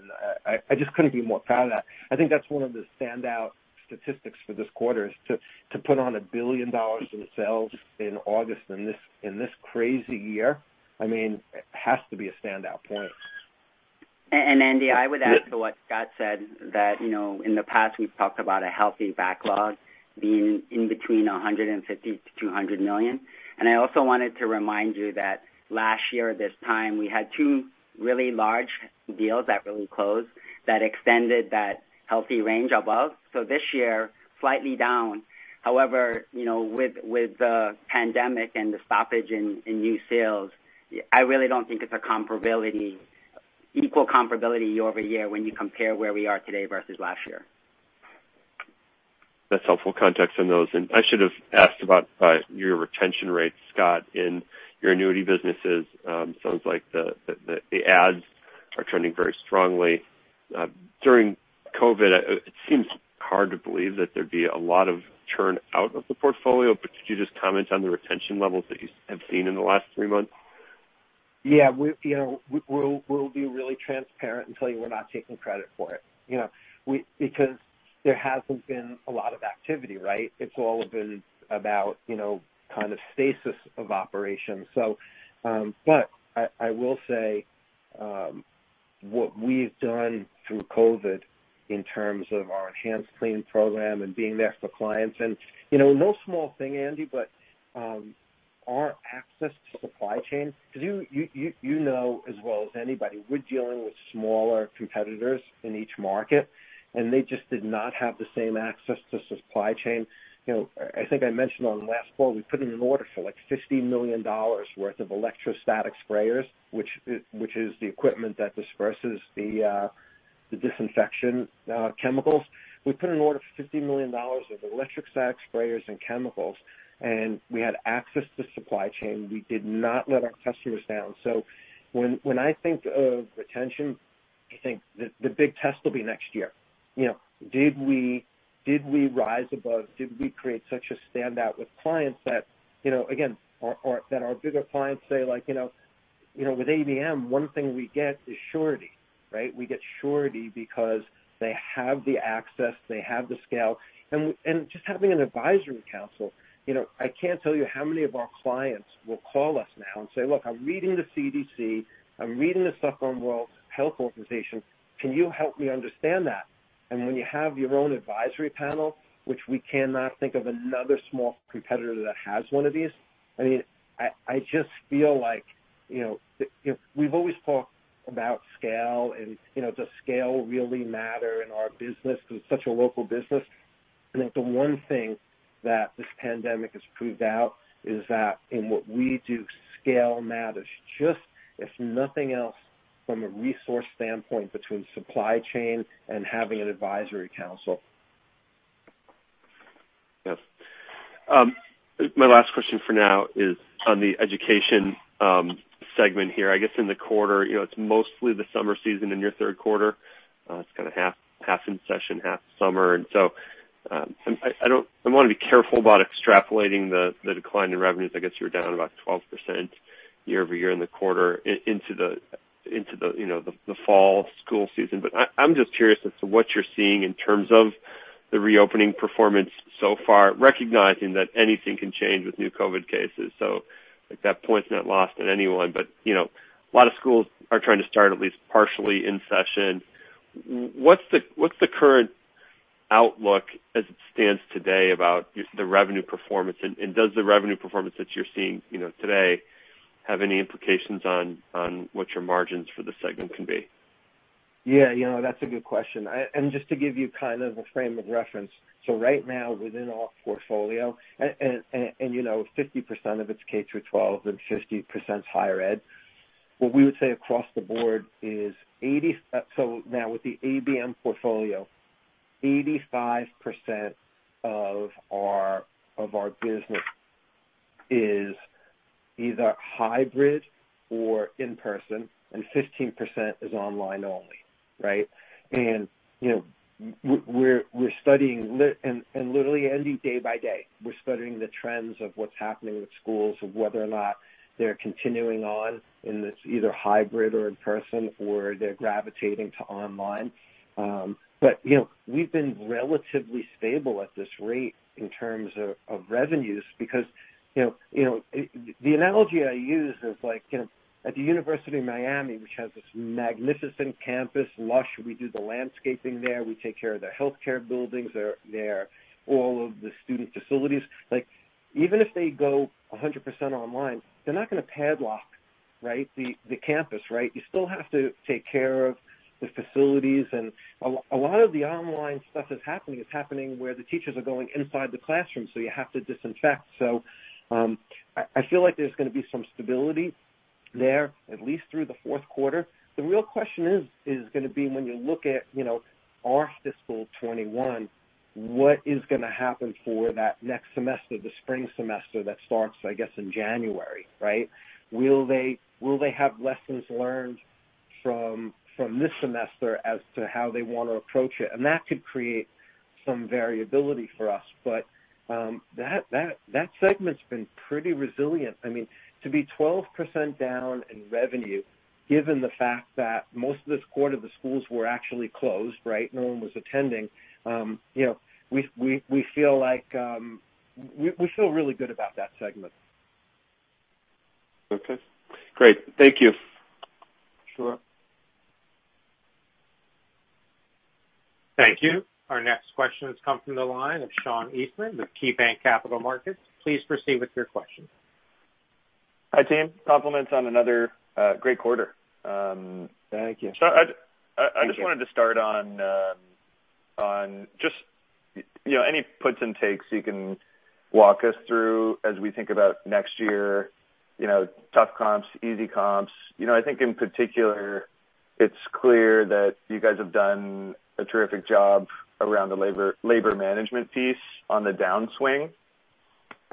and I just couldn't be more proud of that. I think that's one of the standout statistics for this quarter is to put on $1 billion in sales in August in this crazy year. It has to be a standout point. Andy, I would add to what Scott said that, in the past, we've talked about a healthy backlog being in between $150 million-$200 million. I also wanted to remind you that last year, this time, we had two really large deals that really closed that extended that healthy range above. This year, slightly down. However, with the pandemic and the stoppage in new sales, I really don't think it's an equal comparability year-over-year when you compare where we are today versus last year. That's helpful context on those. I should've asked about your retention rates, Scott, in your annuity businesses. Sounds like the adds are trending very strongly. During COVID, it seems. Hard to believe that there'd be a lot of churn out of the portfolio, but could you just comment on the retention levels that you have seen in the last three months? We'll be really transparent and tell you we're not taking credit for it. There hasn't been a lot of activity, right? It's all been about kind of stasis of operations. I will say, what we've done through COVID in terms of our EnhancedClean Program and being there for clients, and no small thing, Andy, but our access to supply chain, because you know as well as anybody, we're dealing with smaller competitors in each market, and they just did not have the same access to supply chain. I think I mentioned on the last call, we put in an order for like $50 million worth of electrostatic sprayers, which is the equipment that disperses the disinfection chemicals. We put an order for $50 million of electrostatic sprayers and chemicals, and we had access to supply chain. We did not let our customers down. When I think of retention, I think the big test will be next year. Did we rise above? Did we create such a standout with clients that, again, that our bigger clients say, like, "With ABM, one thing we get is surety." We get surety because they have the access, they have the scale. Just having an advisory council. I can't tell you how many of our clients will call us now and say, "Look, I'm reading the CDC. I'm reading the stuff from World Health Organization. Can you help me understand that?" When you have your own advisory panel, which we cannot think of another small competitor that has one of these, I just feel like we've always talked about scale and does scale really matter in our business because it's such a local business? I think the one thing that this pandemic has proved out is that in what we do, scale matters. Just if nothing else, from a resource standpoint between supply chain and having an advisory council. Yes. My last question for now is on the education segment here. I guess in the quarter, it's mostly the summer season in your third quarter. It's kind of half in session, half summer. I want to be careful about extrapolating the decline in revenues. I guess you were down about 12% year-over-year in the quarter into the fall school season. I'm just curious as to what you're seeing in terms of the reopening performance so far, recognizing that anything can change with new COVID-19 cases. Like, that point's not lost on anyone. A lot of schools are trying to start at least partially in session. What's the current outlook as it stands today about the revenue performance, and does the revenue performance that you're seeing today have any implications on what your margins for the segment can be? Yeah, that's a good question. Just to give you kind of a frame of reference, right now within our portfolio, 50% of it's K-12 and 50% is higher ed. What we would say across the board is, now with the ABM portfolio, 85% of our business is either hybrid or in-person, and 15% is online only. Right. We're studying, and literally, Andy, day by day. We're studying the trends of what's happening with schools, of whether or not they're continuing on in this either hybrid or in-person, or they're gravitating to online. We've been relatively stable at this rate in terms of revenues because the analogy I use is like, at the University of Miami, which has this magnificent campus, lush, we do the landscaping there, we take care of their healthcare buildings there, all of the student facilities. Even if they go 100% online, they're not going to padlock the campus, right? You still have to take care of the facilities. A lot of the online stuff that's happening is happening where the teachers are going inside the classroom, so you have to disinfect. I feel like there's going to be some stability there, at least through the fourth quarter. The real question is going to be when you look at our fiscal 2021, what is going to happen for that next semester, the spring semester that starts, I guess, in January, right? Will they have lessons learned from this semester as to how they want to approach it? That could create some variability for us. That segment's been pretty resilient. To be 12% down in revenue, given the fact that most of this quarter, the schools were actually closed, right? No one was attending. We feel really good about that segment. Okay, great. Thank you. Sure. Thank you. Our next question has come from the line of Sean Eastman with KeyBanc Capital Markets. Please proceed with your question. Hi, team. Compliments on another great quarter. Thank you. I just wanted to start on just any puts and takes you can walk us through as we think about next year. Tough comps, easy comps. I think in particular it's clear that you guys have done a terrific job around the labor management piece on the downswing.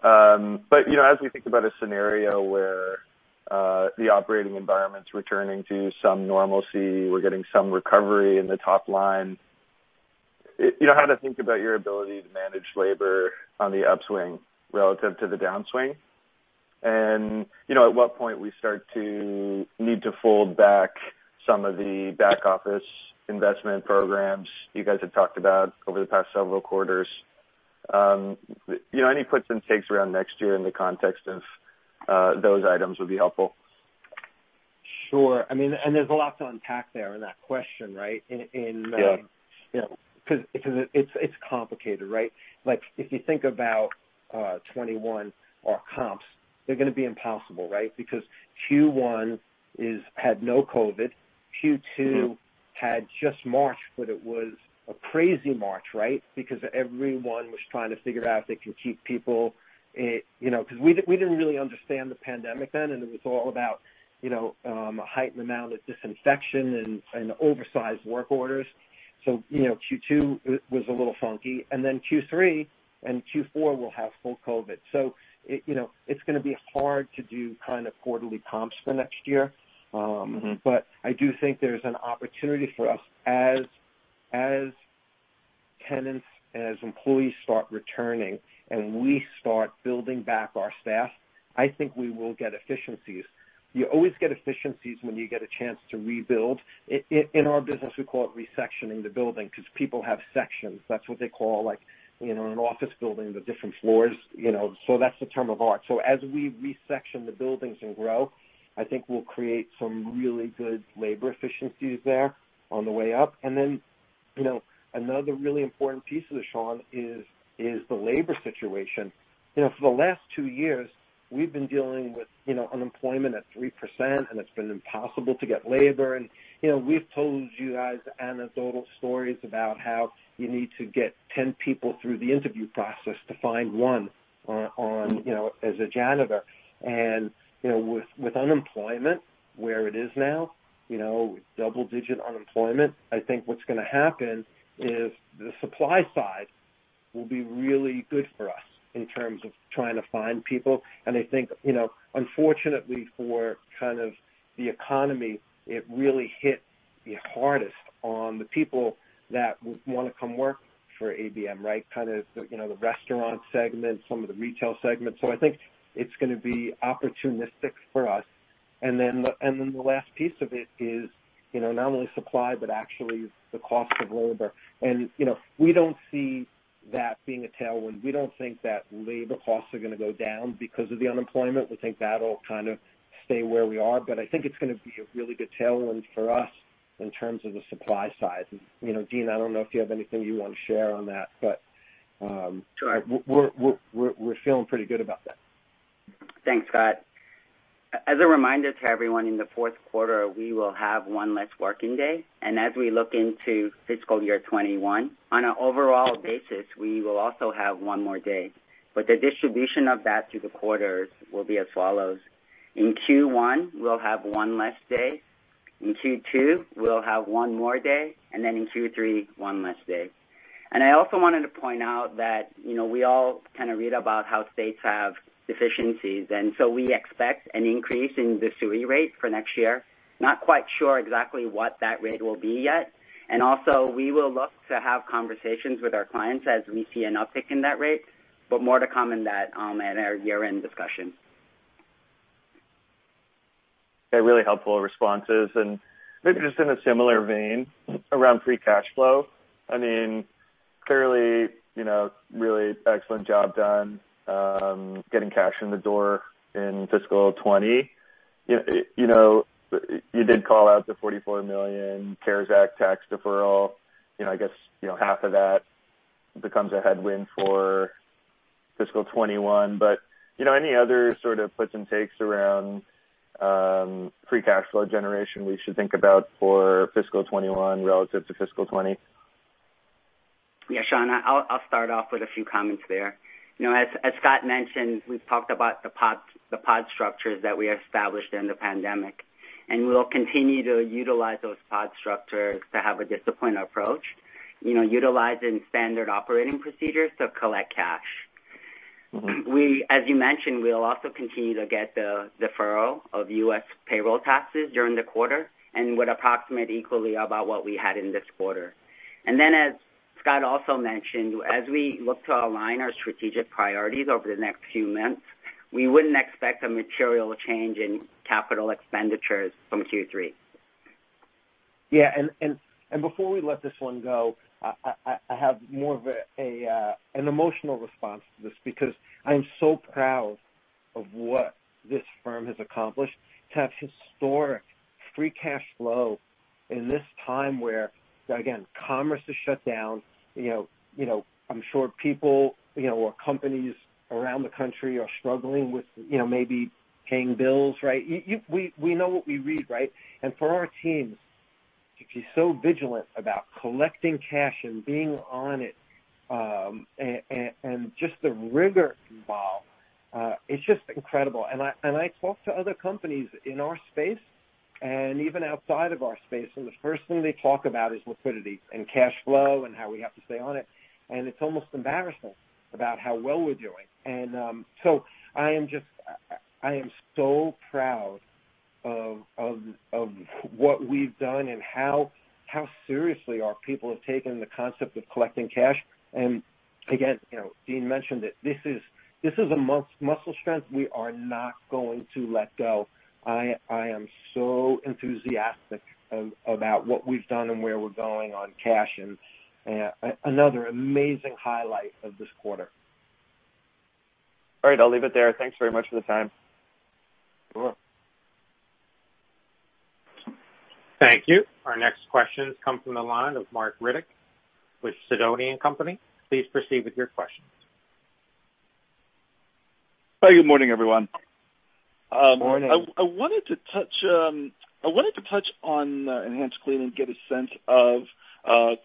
As we think about a scenario where the operating environment's returning to some normalcy, we're getting some recovery in the top line, how to think about your ability to manage labor on the upswing relative to the downswing. At what point we start to need to fold back some of the back office investment programs you guys have talked about over the past several quarters. Any puts and takes around next year in the context of those items would be helpful. Sure. There's a lot to unpack there in that question, right? Yeah. It's complicated, right? If you think about 2021 or comps, they're going to be impossible, right? Q1 had no COVID-19. Q2 had just March, but it was a crazy March, right? Everyone was trying to figure out if they can keep people. We didn't really understand the pandemic then, and it was all about heighten the amount of disinfection and oversized work orders. Q2 was a little funky. Q3 and Q4 will have full COVID-19. It's going to be hard to do kind of quarterly comps for next year. I do think there's an opportunity for us. As tenants, as employees start returning and we start building back our staff, I think we will get efficiencies. You always get efficiencies when you get a chance to rebuild. In our business, we call it re-sectioning the building because people have sections. That's what they call an office building, the different floors. That's the term of art. As we re-section the buildings and grow, I think we'll create some really good labor efficiencies there on the way up. Another really important piece of this, Sean, is the labor situation. For the last two years, we've been dealing with unemployment at 3%, and it's been impossible to get labor. We've told you guys anecdotal stories about how you need to get 10 people through the interview process to find one as a janitor. With unemployment where it is now, double-digit unemployment, I think what's going to happen is the supply side will be really good for us in terms of trying to find people. I think, unfortunately for kind of the economy, it really hit the hardest on the people that want to come work for ABM, right? Kind of the restaurant segment, some of the retail segments. I think it's going to be opportunistic for us. Then the last piece of it is, not only supply, but actually the cost of labor. We don't see that being a tailwind. We don't think that labor costs are going to go down because of the unemployment. We think that'll kind of stay where we are. I think it's going to be a really good tailwind for us in terms of the supply side. Dean, I don't know if you have anything you want to share on that. Sure. We're feeling pretty good about that. Thanks, Scott. As a reminder to everyone, in the fourth quarter, we will have one less working day. As we look into fiscal year 2021, on an overall basis, we will also have one more day. The distribution of that through the quarters will be as follows. In Q1, we'll have one less day. In Q2, we'll have one more day, and then in Q3, one less day. I also wanted to point out that we all kind of read about how states have deficiencies, and so we expect an increase in the SUTA rate for next year. Not quite sure exactly what that rate will be yet. Also, we will look to have conversations with our clients as we see an uptick in that rate, but more to come in that at our year-end discussion. Okay. Really helpful responses. Maybe just in a similar vein around free cash flow. Clearly, really excellent job done getting cash in the door in fiscal 2020. You did call out the $44 million CARES Act tax deferral. I guess half of that becomes a headwind for fiscal 2021. Any other sort of puts and takes around free cash flow generation we should think about for fiscal 2021 relative to fiscal 2020? Sean, I'll start off with a few comments there. As Scott mentioned, we've talked about the pod structures that we established in the pandemic, we will continue to utilize those pod structures to have a disciplined approach, utilizing standard operating procedures to collect cash. As you mentioned, we'll also continue to get the deferral of U.S. payroll taxes during the quarter and would approximate equally about what we had in this quarter. As Scott also mentioned, as we look to align our strategic priorities over the next few months, we wouldn't expect a material change in capital expenditures from Q3. Yeah. Before we let this one go, I have more of an emotional response to this because I am so proud of what this firm has accomplished to have historic free cash flow in this time where, again, commerce is shut down. I'm sure people or companies around the country are struggling with maybe paying bills, right? We know what we read, right? For our teams to be so vigilant about collecting cash and being on it, and just the rigor involved, it's just incredible. I talk to other companies in our space and even outside of our space, and the first thing they talk about is liquidity and cash flow and how we have to stay on it, and it's almost embarrassing about how well we're doing. I am so proud of what we've done and how seriously our people have taken the concept of collecting cash. Again, Dean mentioned that this is a muscle strength. We are not going to let go. I am so enthusiastic about what we've done and where we're going on cash, and another amazing highlight of this quarter. All right, I'll leave it there. Thanks very much for the time. You're welcome. Thank you. Our next question comes from the line of Marc Riddick with Sidoti & Company. Please proceed with your questions. Hi, good morning, everyone. Morning. I wanted to touch on EnhancedClean and get a sense of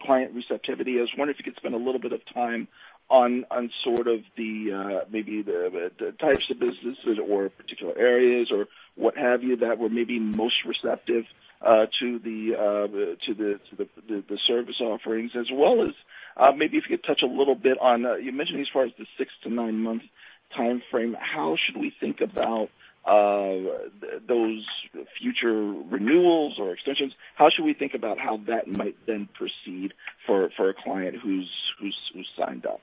client receptivity. I was wondering if you could spend a little bit of time on sort of maybe the types of businesses or particular areas or what have you, that were maybe most receptive to the service offerings as well as maybe if you could touch a little bit on, you mentioned as far as the six-nine month timeframe, how should we think about those future renewals or extensions? How should we think about how that might then proceed for a client who's signed up?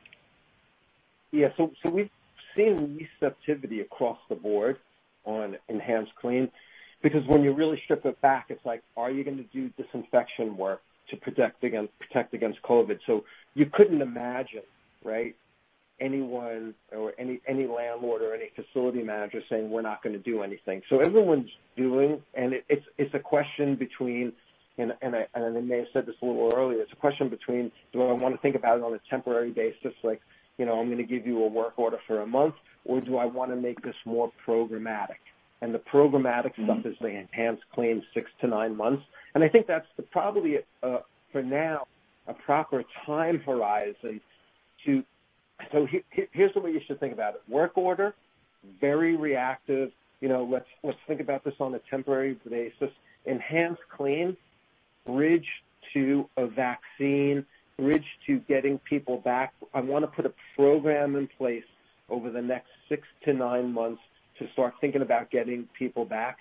We've seen receptivity across the board on EnhancedClean because when you really strip it back, it's like, are you going to do disinfection work to protect against COVID? You couldn't imagine anyone or any landlord or any facility manager saying, "We're not going to do anything." Everyone's doing, and I may have said this a little earlier, it's a question between, do I want to think about it on a temporary basis, like I'm going to give you a work order for a month, or do I want to make this more programmatic? The programmatic stuff is the EnhancedClean six to nine months. I think that's probably, for now, a proper time horizon. Here's the way you should think about it. Work order, very reactive. Let's think about this on a temporary basis. EnhancedClean, bridge to a vaccine, bridge to getting people back. I want to put a program in place over the next six-nine months to start thinking about getting people back.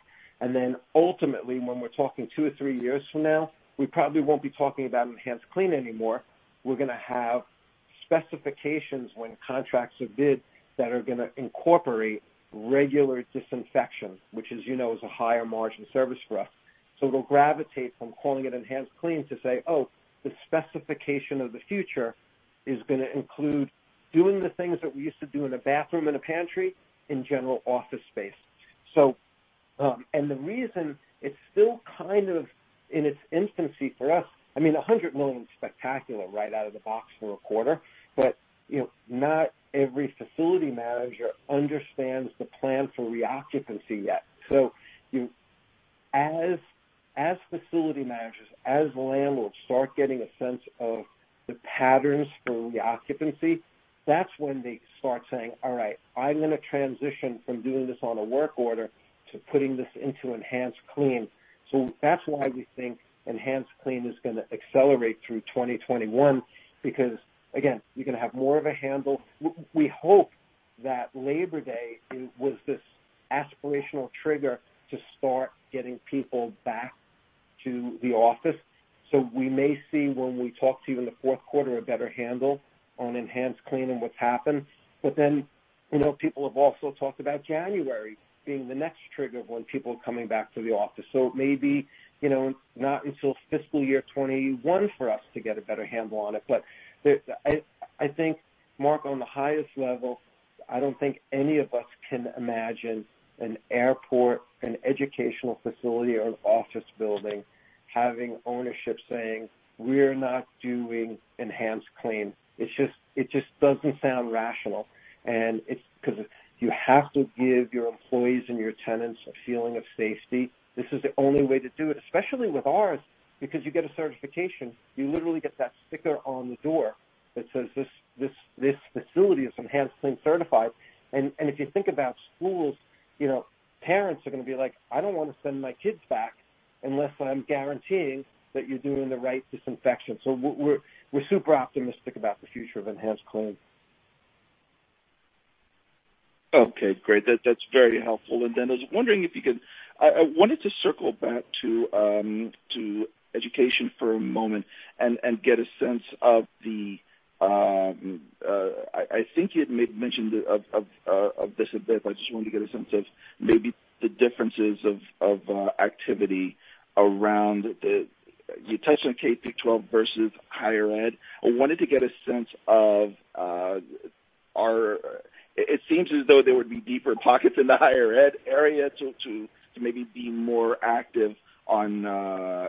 Ultimately, when we're talking two or three years from now, we probably won't be talking about EnhancedClean anymore. We're going to have specifications when contracts are bid that are going to incorporate regular disinfection, which as you know is a higher margin service for us. It'll gravitate from calling it EnhancedClean to say, oh, the specification of the future is going to include doing the things that we used to do in a bathroom and a pantry in general office space. The reason it's still kind of in its infancy for us, I mean, $100 million is spectacular right out of the box for a quarter, but not every facility manager understands the plan for reoccupancy yet. As facility managers, as landlords start getting a sense of the patterns for reoccupancy, that's when they start saying, "All right, I'm going to transition from doing this on a work order to putting this into EnhancedClean." That's why we think EnhancedClean is going to accelerate through 2021 because, again, you're going to have more of a handle. We hope that Labor Day was this aspirational trigger to start getting people back to the office. We may see when we talk to you in the fourth quarter a better handle on EnhancedClean and what's happened. People have also talked about January being the next trigger of when people are coming back to the office. It may be not until fiscal year 2021 for us to get a better handle on it. I think, Marc, on the highest level, I don't think any of us can imagine an airport, an educational facility, or an office building having ownership saying, "We're not doing EnhancedClean." It just doesn't sound rational. It's because you have to give your employees and your tenants a feeling of safety. This is the only way to do it, especially with ours, because you get a certification. You literally get that sticker on the door that says, "This facility is EnhancedClean certified." If you think about schools, parents are going to be like, "I don't want to send my kids back unless I'm guaranteeing that you're doing the right disinfection." We're super optimistic about the future of EnhancedClean. Okay, great. That's very helpful. I was wondering if you could, I wanted to circle back to education for a moment and get a sense of the, I think you had mentioned of this a bit, but I just wanted to get a sense of maybe the differences of activity around the. You touched on K-12 versus higher ed. I wanted to get a sense of. It seems as though there would be deeper pockets in the higher ed area to maybe be more active on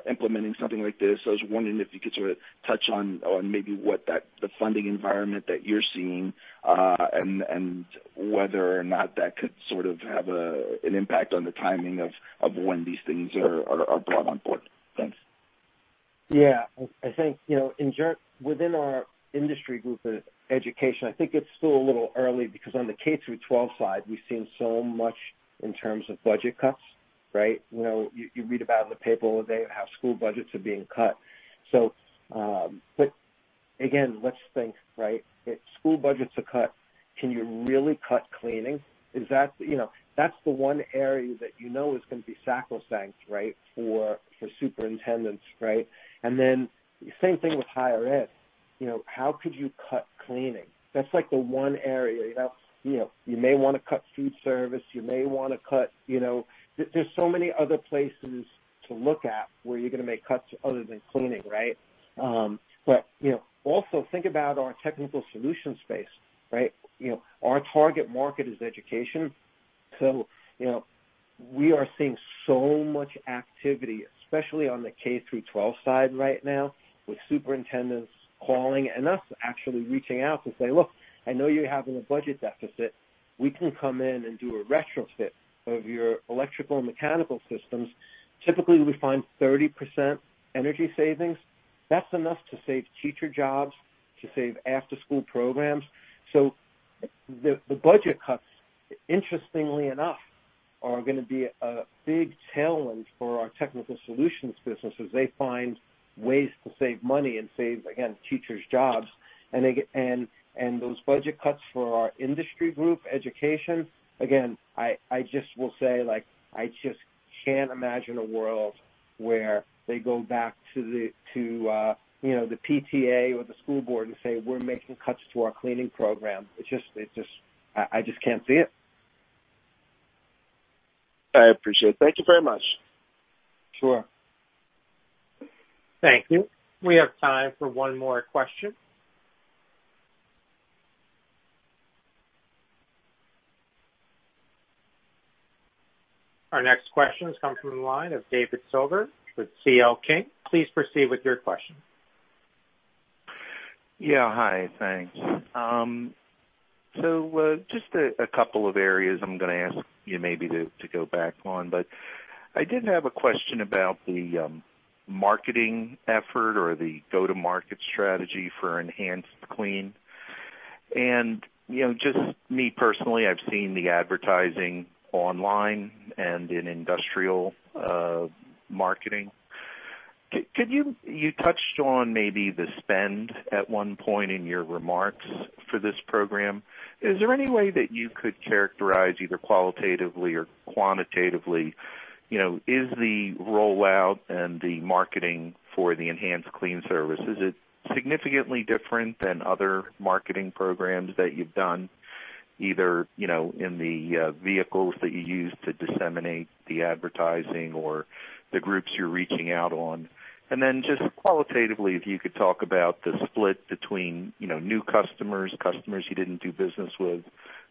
implementing something like this. I was wondering if you could sort of touch on maybe what that funding environment that you're seeing, and whether or not that could sort of have an impact on the timing of when these things are brought on board. Thanks. Yeah. I think within our industry group of education, I think it's still a little early because on the K-12 side, we've seen so much in terms of budget cuts. You read about it in the paper all day about how school budgets are being cut. Again, let's think. If school budgets are cut, can you really cut cleaning? That's the one area that you know is going to be sacrosanct for superintendents. Same thing with higher ed. How could you cut cleaning? That's like the one area. You may want to cut food service. There's so many other places to look at where you're going to make cuts other than cleaning. Also think about our Technical Solutions space. Our target market is education. We are seeing so much activity, especially on the K-12 side right now, with superintendents calling and us actually reaching out to say, "Look, I know you're having a budget deficit. We can come in and do a retrofit of your electrical and mechanical systems." Typically, we find 30% energy savings. That's enough to save teacher jobs, to save after-school programs. The budget cuts, interestingly enough, are going to be a big tailwind for our Technical Solutions business as they find ways to save money and save, again, teachers' jobs. Those budget cuts for our industry group, education, again, I just will say, I just can't imagine a world where they go back to the PTA or the school board and say, "We're making cuts to our cleaning program." I just can't see it. I appreciate it. Thank you very much. Sure. Thank you. We have time for one more question. Our next question comes from the line of David Silver with C.L. King. Please proceed with your question. Yeah. Hi. Thanks. Just a couple of areas I'm going to ask you maybe to go back on. I did have a question about the marketing effort or the go-to-market strategy for EnhancedClean. Just me personally, I've seen the advertising online and in industrial marketing. You touched on maybe the spend at one point in your remarks for this program. Is there any way that you could characterize, either qualitatively or quantitatively, is the rollout and the marketing for the EnhancedClean service, is it significantly different than other marketing programs that you've done, either in the vehicles that you use to disseminate the advertising or the groups you're reaching out on? Just qualitatively, if you could talk about the split between new customers you didn't do business with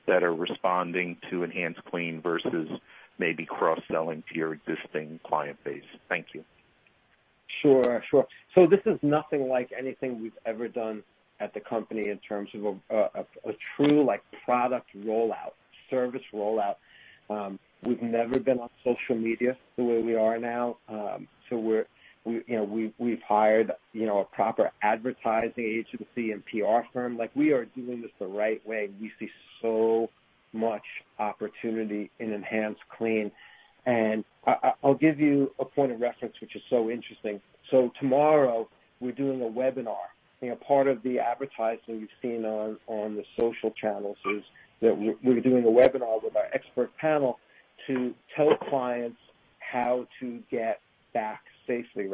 that are responding to EnhancedClean versus maybe cross-selling to your existing client base. Thank you. Sure. This is nothing like anything we've ever done at the company in terms of a true product rollout, service rollout. We've never been on social media the way we are now. We've hired a proper advertising agency and PR firm. We are doing this the right way. We see so much opportunity in EnhancedClean. I'll give you a point of reference, which is so interesting. Tomorrow, we're doing a webinar. Part of the advertising you've seen on the social channels is that we're doing a webinar with our expert panel to tell clients how to get back safely.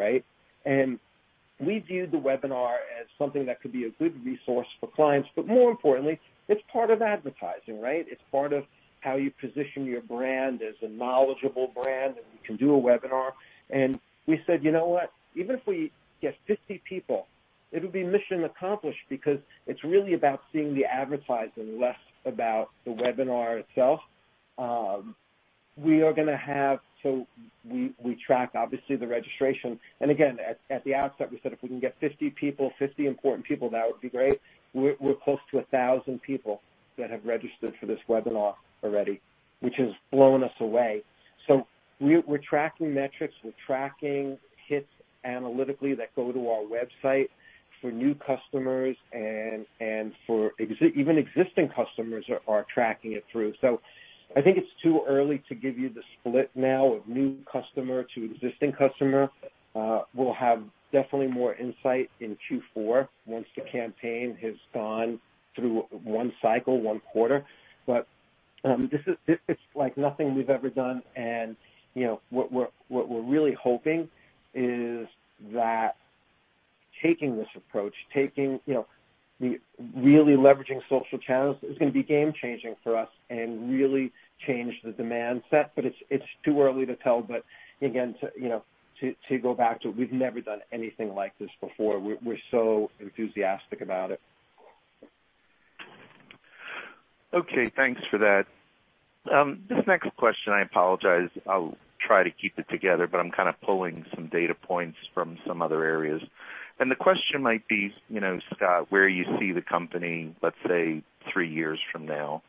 We view the webinar as something that could be a good resource for clients, but more importantly, it's part of advertising. It's part of how you position your brand as a knowledgeable brand, and we can do a webinar. We said, "You know what? Even if we get 50 people, it'll be mission accomplished because it's really about seeing the advertising, less about the webinar itself. We track, obviously, the registration. Again, at the outset, we said if we can get 50 people, 50 important people, that would be great. We're close to 1,000 people that have registered for this webinar already, which has blown us away. We're tracking metrics, we're tracking hits analytically that go to our website for new customers and even existing customers are tracking it through. I think it's too early to give you the split now of new customer to existing customer. We'll have definitely more insight in Q4 once the campaign has gone through one cycle, one quarter. This is like nothing we've ever done. What we're really hoping is that taking this approach, really leveraging social channels, is going to be game changing for us and really change the demand set. It's too early to tell. Again, to go back to it, we've never done anything like this before. We're so enthusiastic about it. Okay. Thanks for that. This next question, I apologize. I'll try to keep it together, but I'm kind of pulling some data points from some other areas. The question might be, Scott, where you see the company, let's say, three years from now.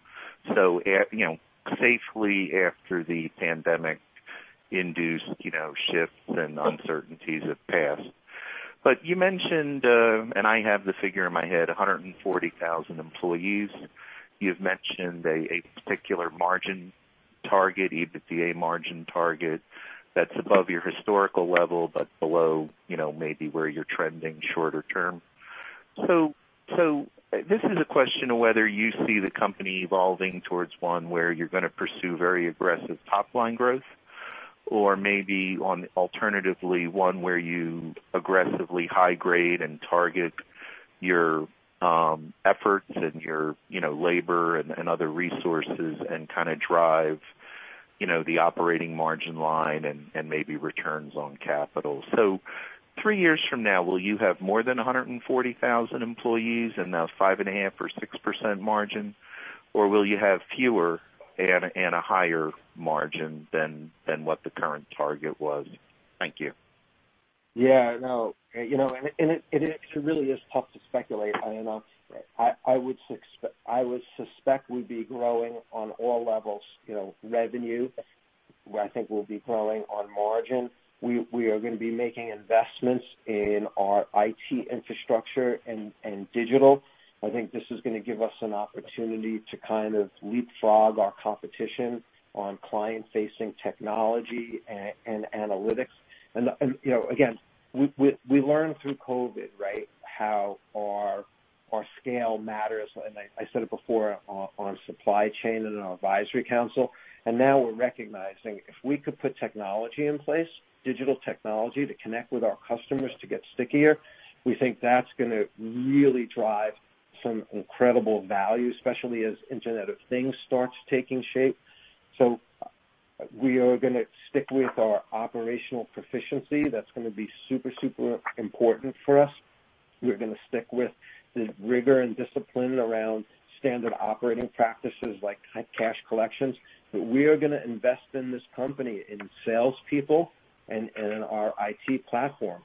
Safely after the pandemic-induced shifts and uncertainties have passed. You mentioned, and I have the figure in my head, 140,000 employees. You've mentioned a particular margin target, EBITDA margin target, that's above your historical level, but below maybe where you're trending shorter term. This is a question of whether you see the company evolving towards one where you're going to pursue very aggressive top-line growth or maybe on alternatively one where you aggressively high grade and target your efforts and your labor and other resources and kind of drive the operating margin line and maybe returns on capital. Three years from now, will you have more than 140,000 employees and a 5.5% or 6% margin? Will you have fewer and a higher margin than what the current target was? Thank you. Yeah, no. It actually really is tough to speculate. I don't know. I would suspect we'd be growing on all levels, revenue, where I think we'll be growing on margin. We are going to be making investments in our IT infrastructure and digital. I think this is going to give us an opportunity to kind of leapfrog our competition on client-facing technology and analytics. Again, we learned through COVID-19, right, how our scale matters. I said it before on supply chain and in our advisory council. Now we're recognizing, if we could put technology in place, digital technology to connect with our customers to get stickier, we think that's going to really drive some incredible value, especially as Internet of Things starts taking shape. We are going to stick with our operational proficiency. That's going to be super important for us. We're going to stick with the rigor and discipline around standard operating practices like cash collections. We are going to invest in this company, in salespeople and in our IT platform.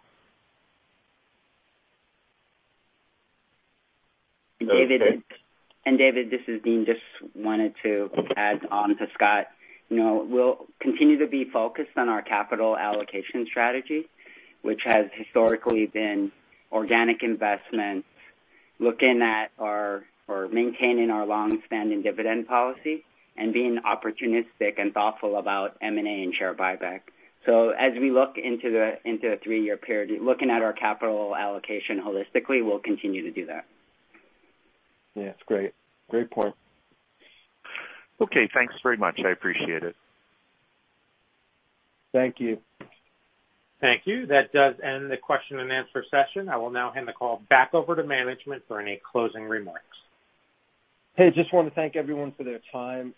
David, this is Dean. Just wanted to add on to Scott. We'll continue to be focused on our capital allocation strategy, which has historically been organic investments, looking at or maintaining our long-standing dividend policy, and being opportunistic and thoughtful about M&A and share buyback. As we look into the three-year period, looking at our capital allocation holistically, we'll continue to do that. Yeah, that's great. Great point. Okay, thanks very much. I appreciate it. Thank you. Thank you. That does end the question and answer session. I will now hand the call back over to management for any closing remarks. Hey, just want to thank everyone for their time.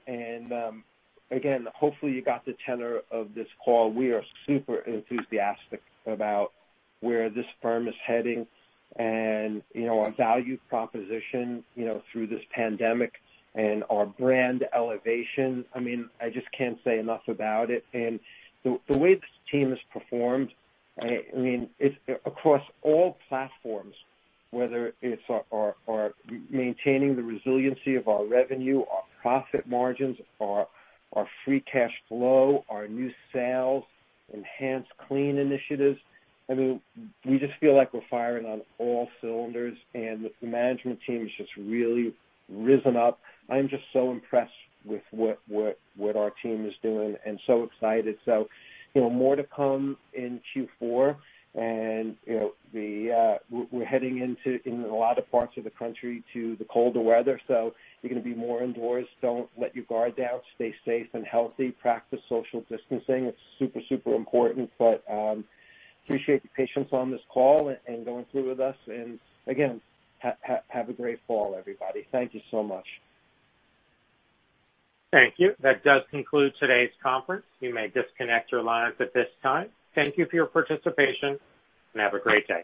Again, hopefully, you got the tenor of this call. We are super enthusiastic about where this firm is heading and our value proposition through this pandemic and our brand elevation. I just can't say enough about it and the way this team has performed, across all platforms, whether it's our maintaining the resiliency of our revenue, our profit margins, our free cash flow, our new sales, EnhancedClean initiatives. We just feel like we're firing on all cylinders, and the management team has just really risen up. I am just so impressed with what our team is doing and so excited. More to come in Q4. We're heading into, in a lot of parts of the country, to the colder weather. You're going to be more indoors. Don't let your guard down. Stay safe and healthy. Practice social distancing. It's super important. We appreciate your patience on this call and going through with us. Again, have a great fall, everybody. Thank you so much. Thank you. That does conclude today's conference. You may disconnect your lines at this time. Thank you for your participation, and have a great day.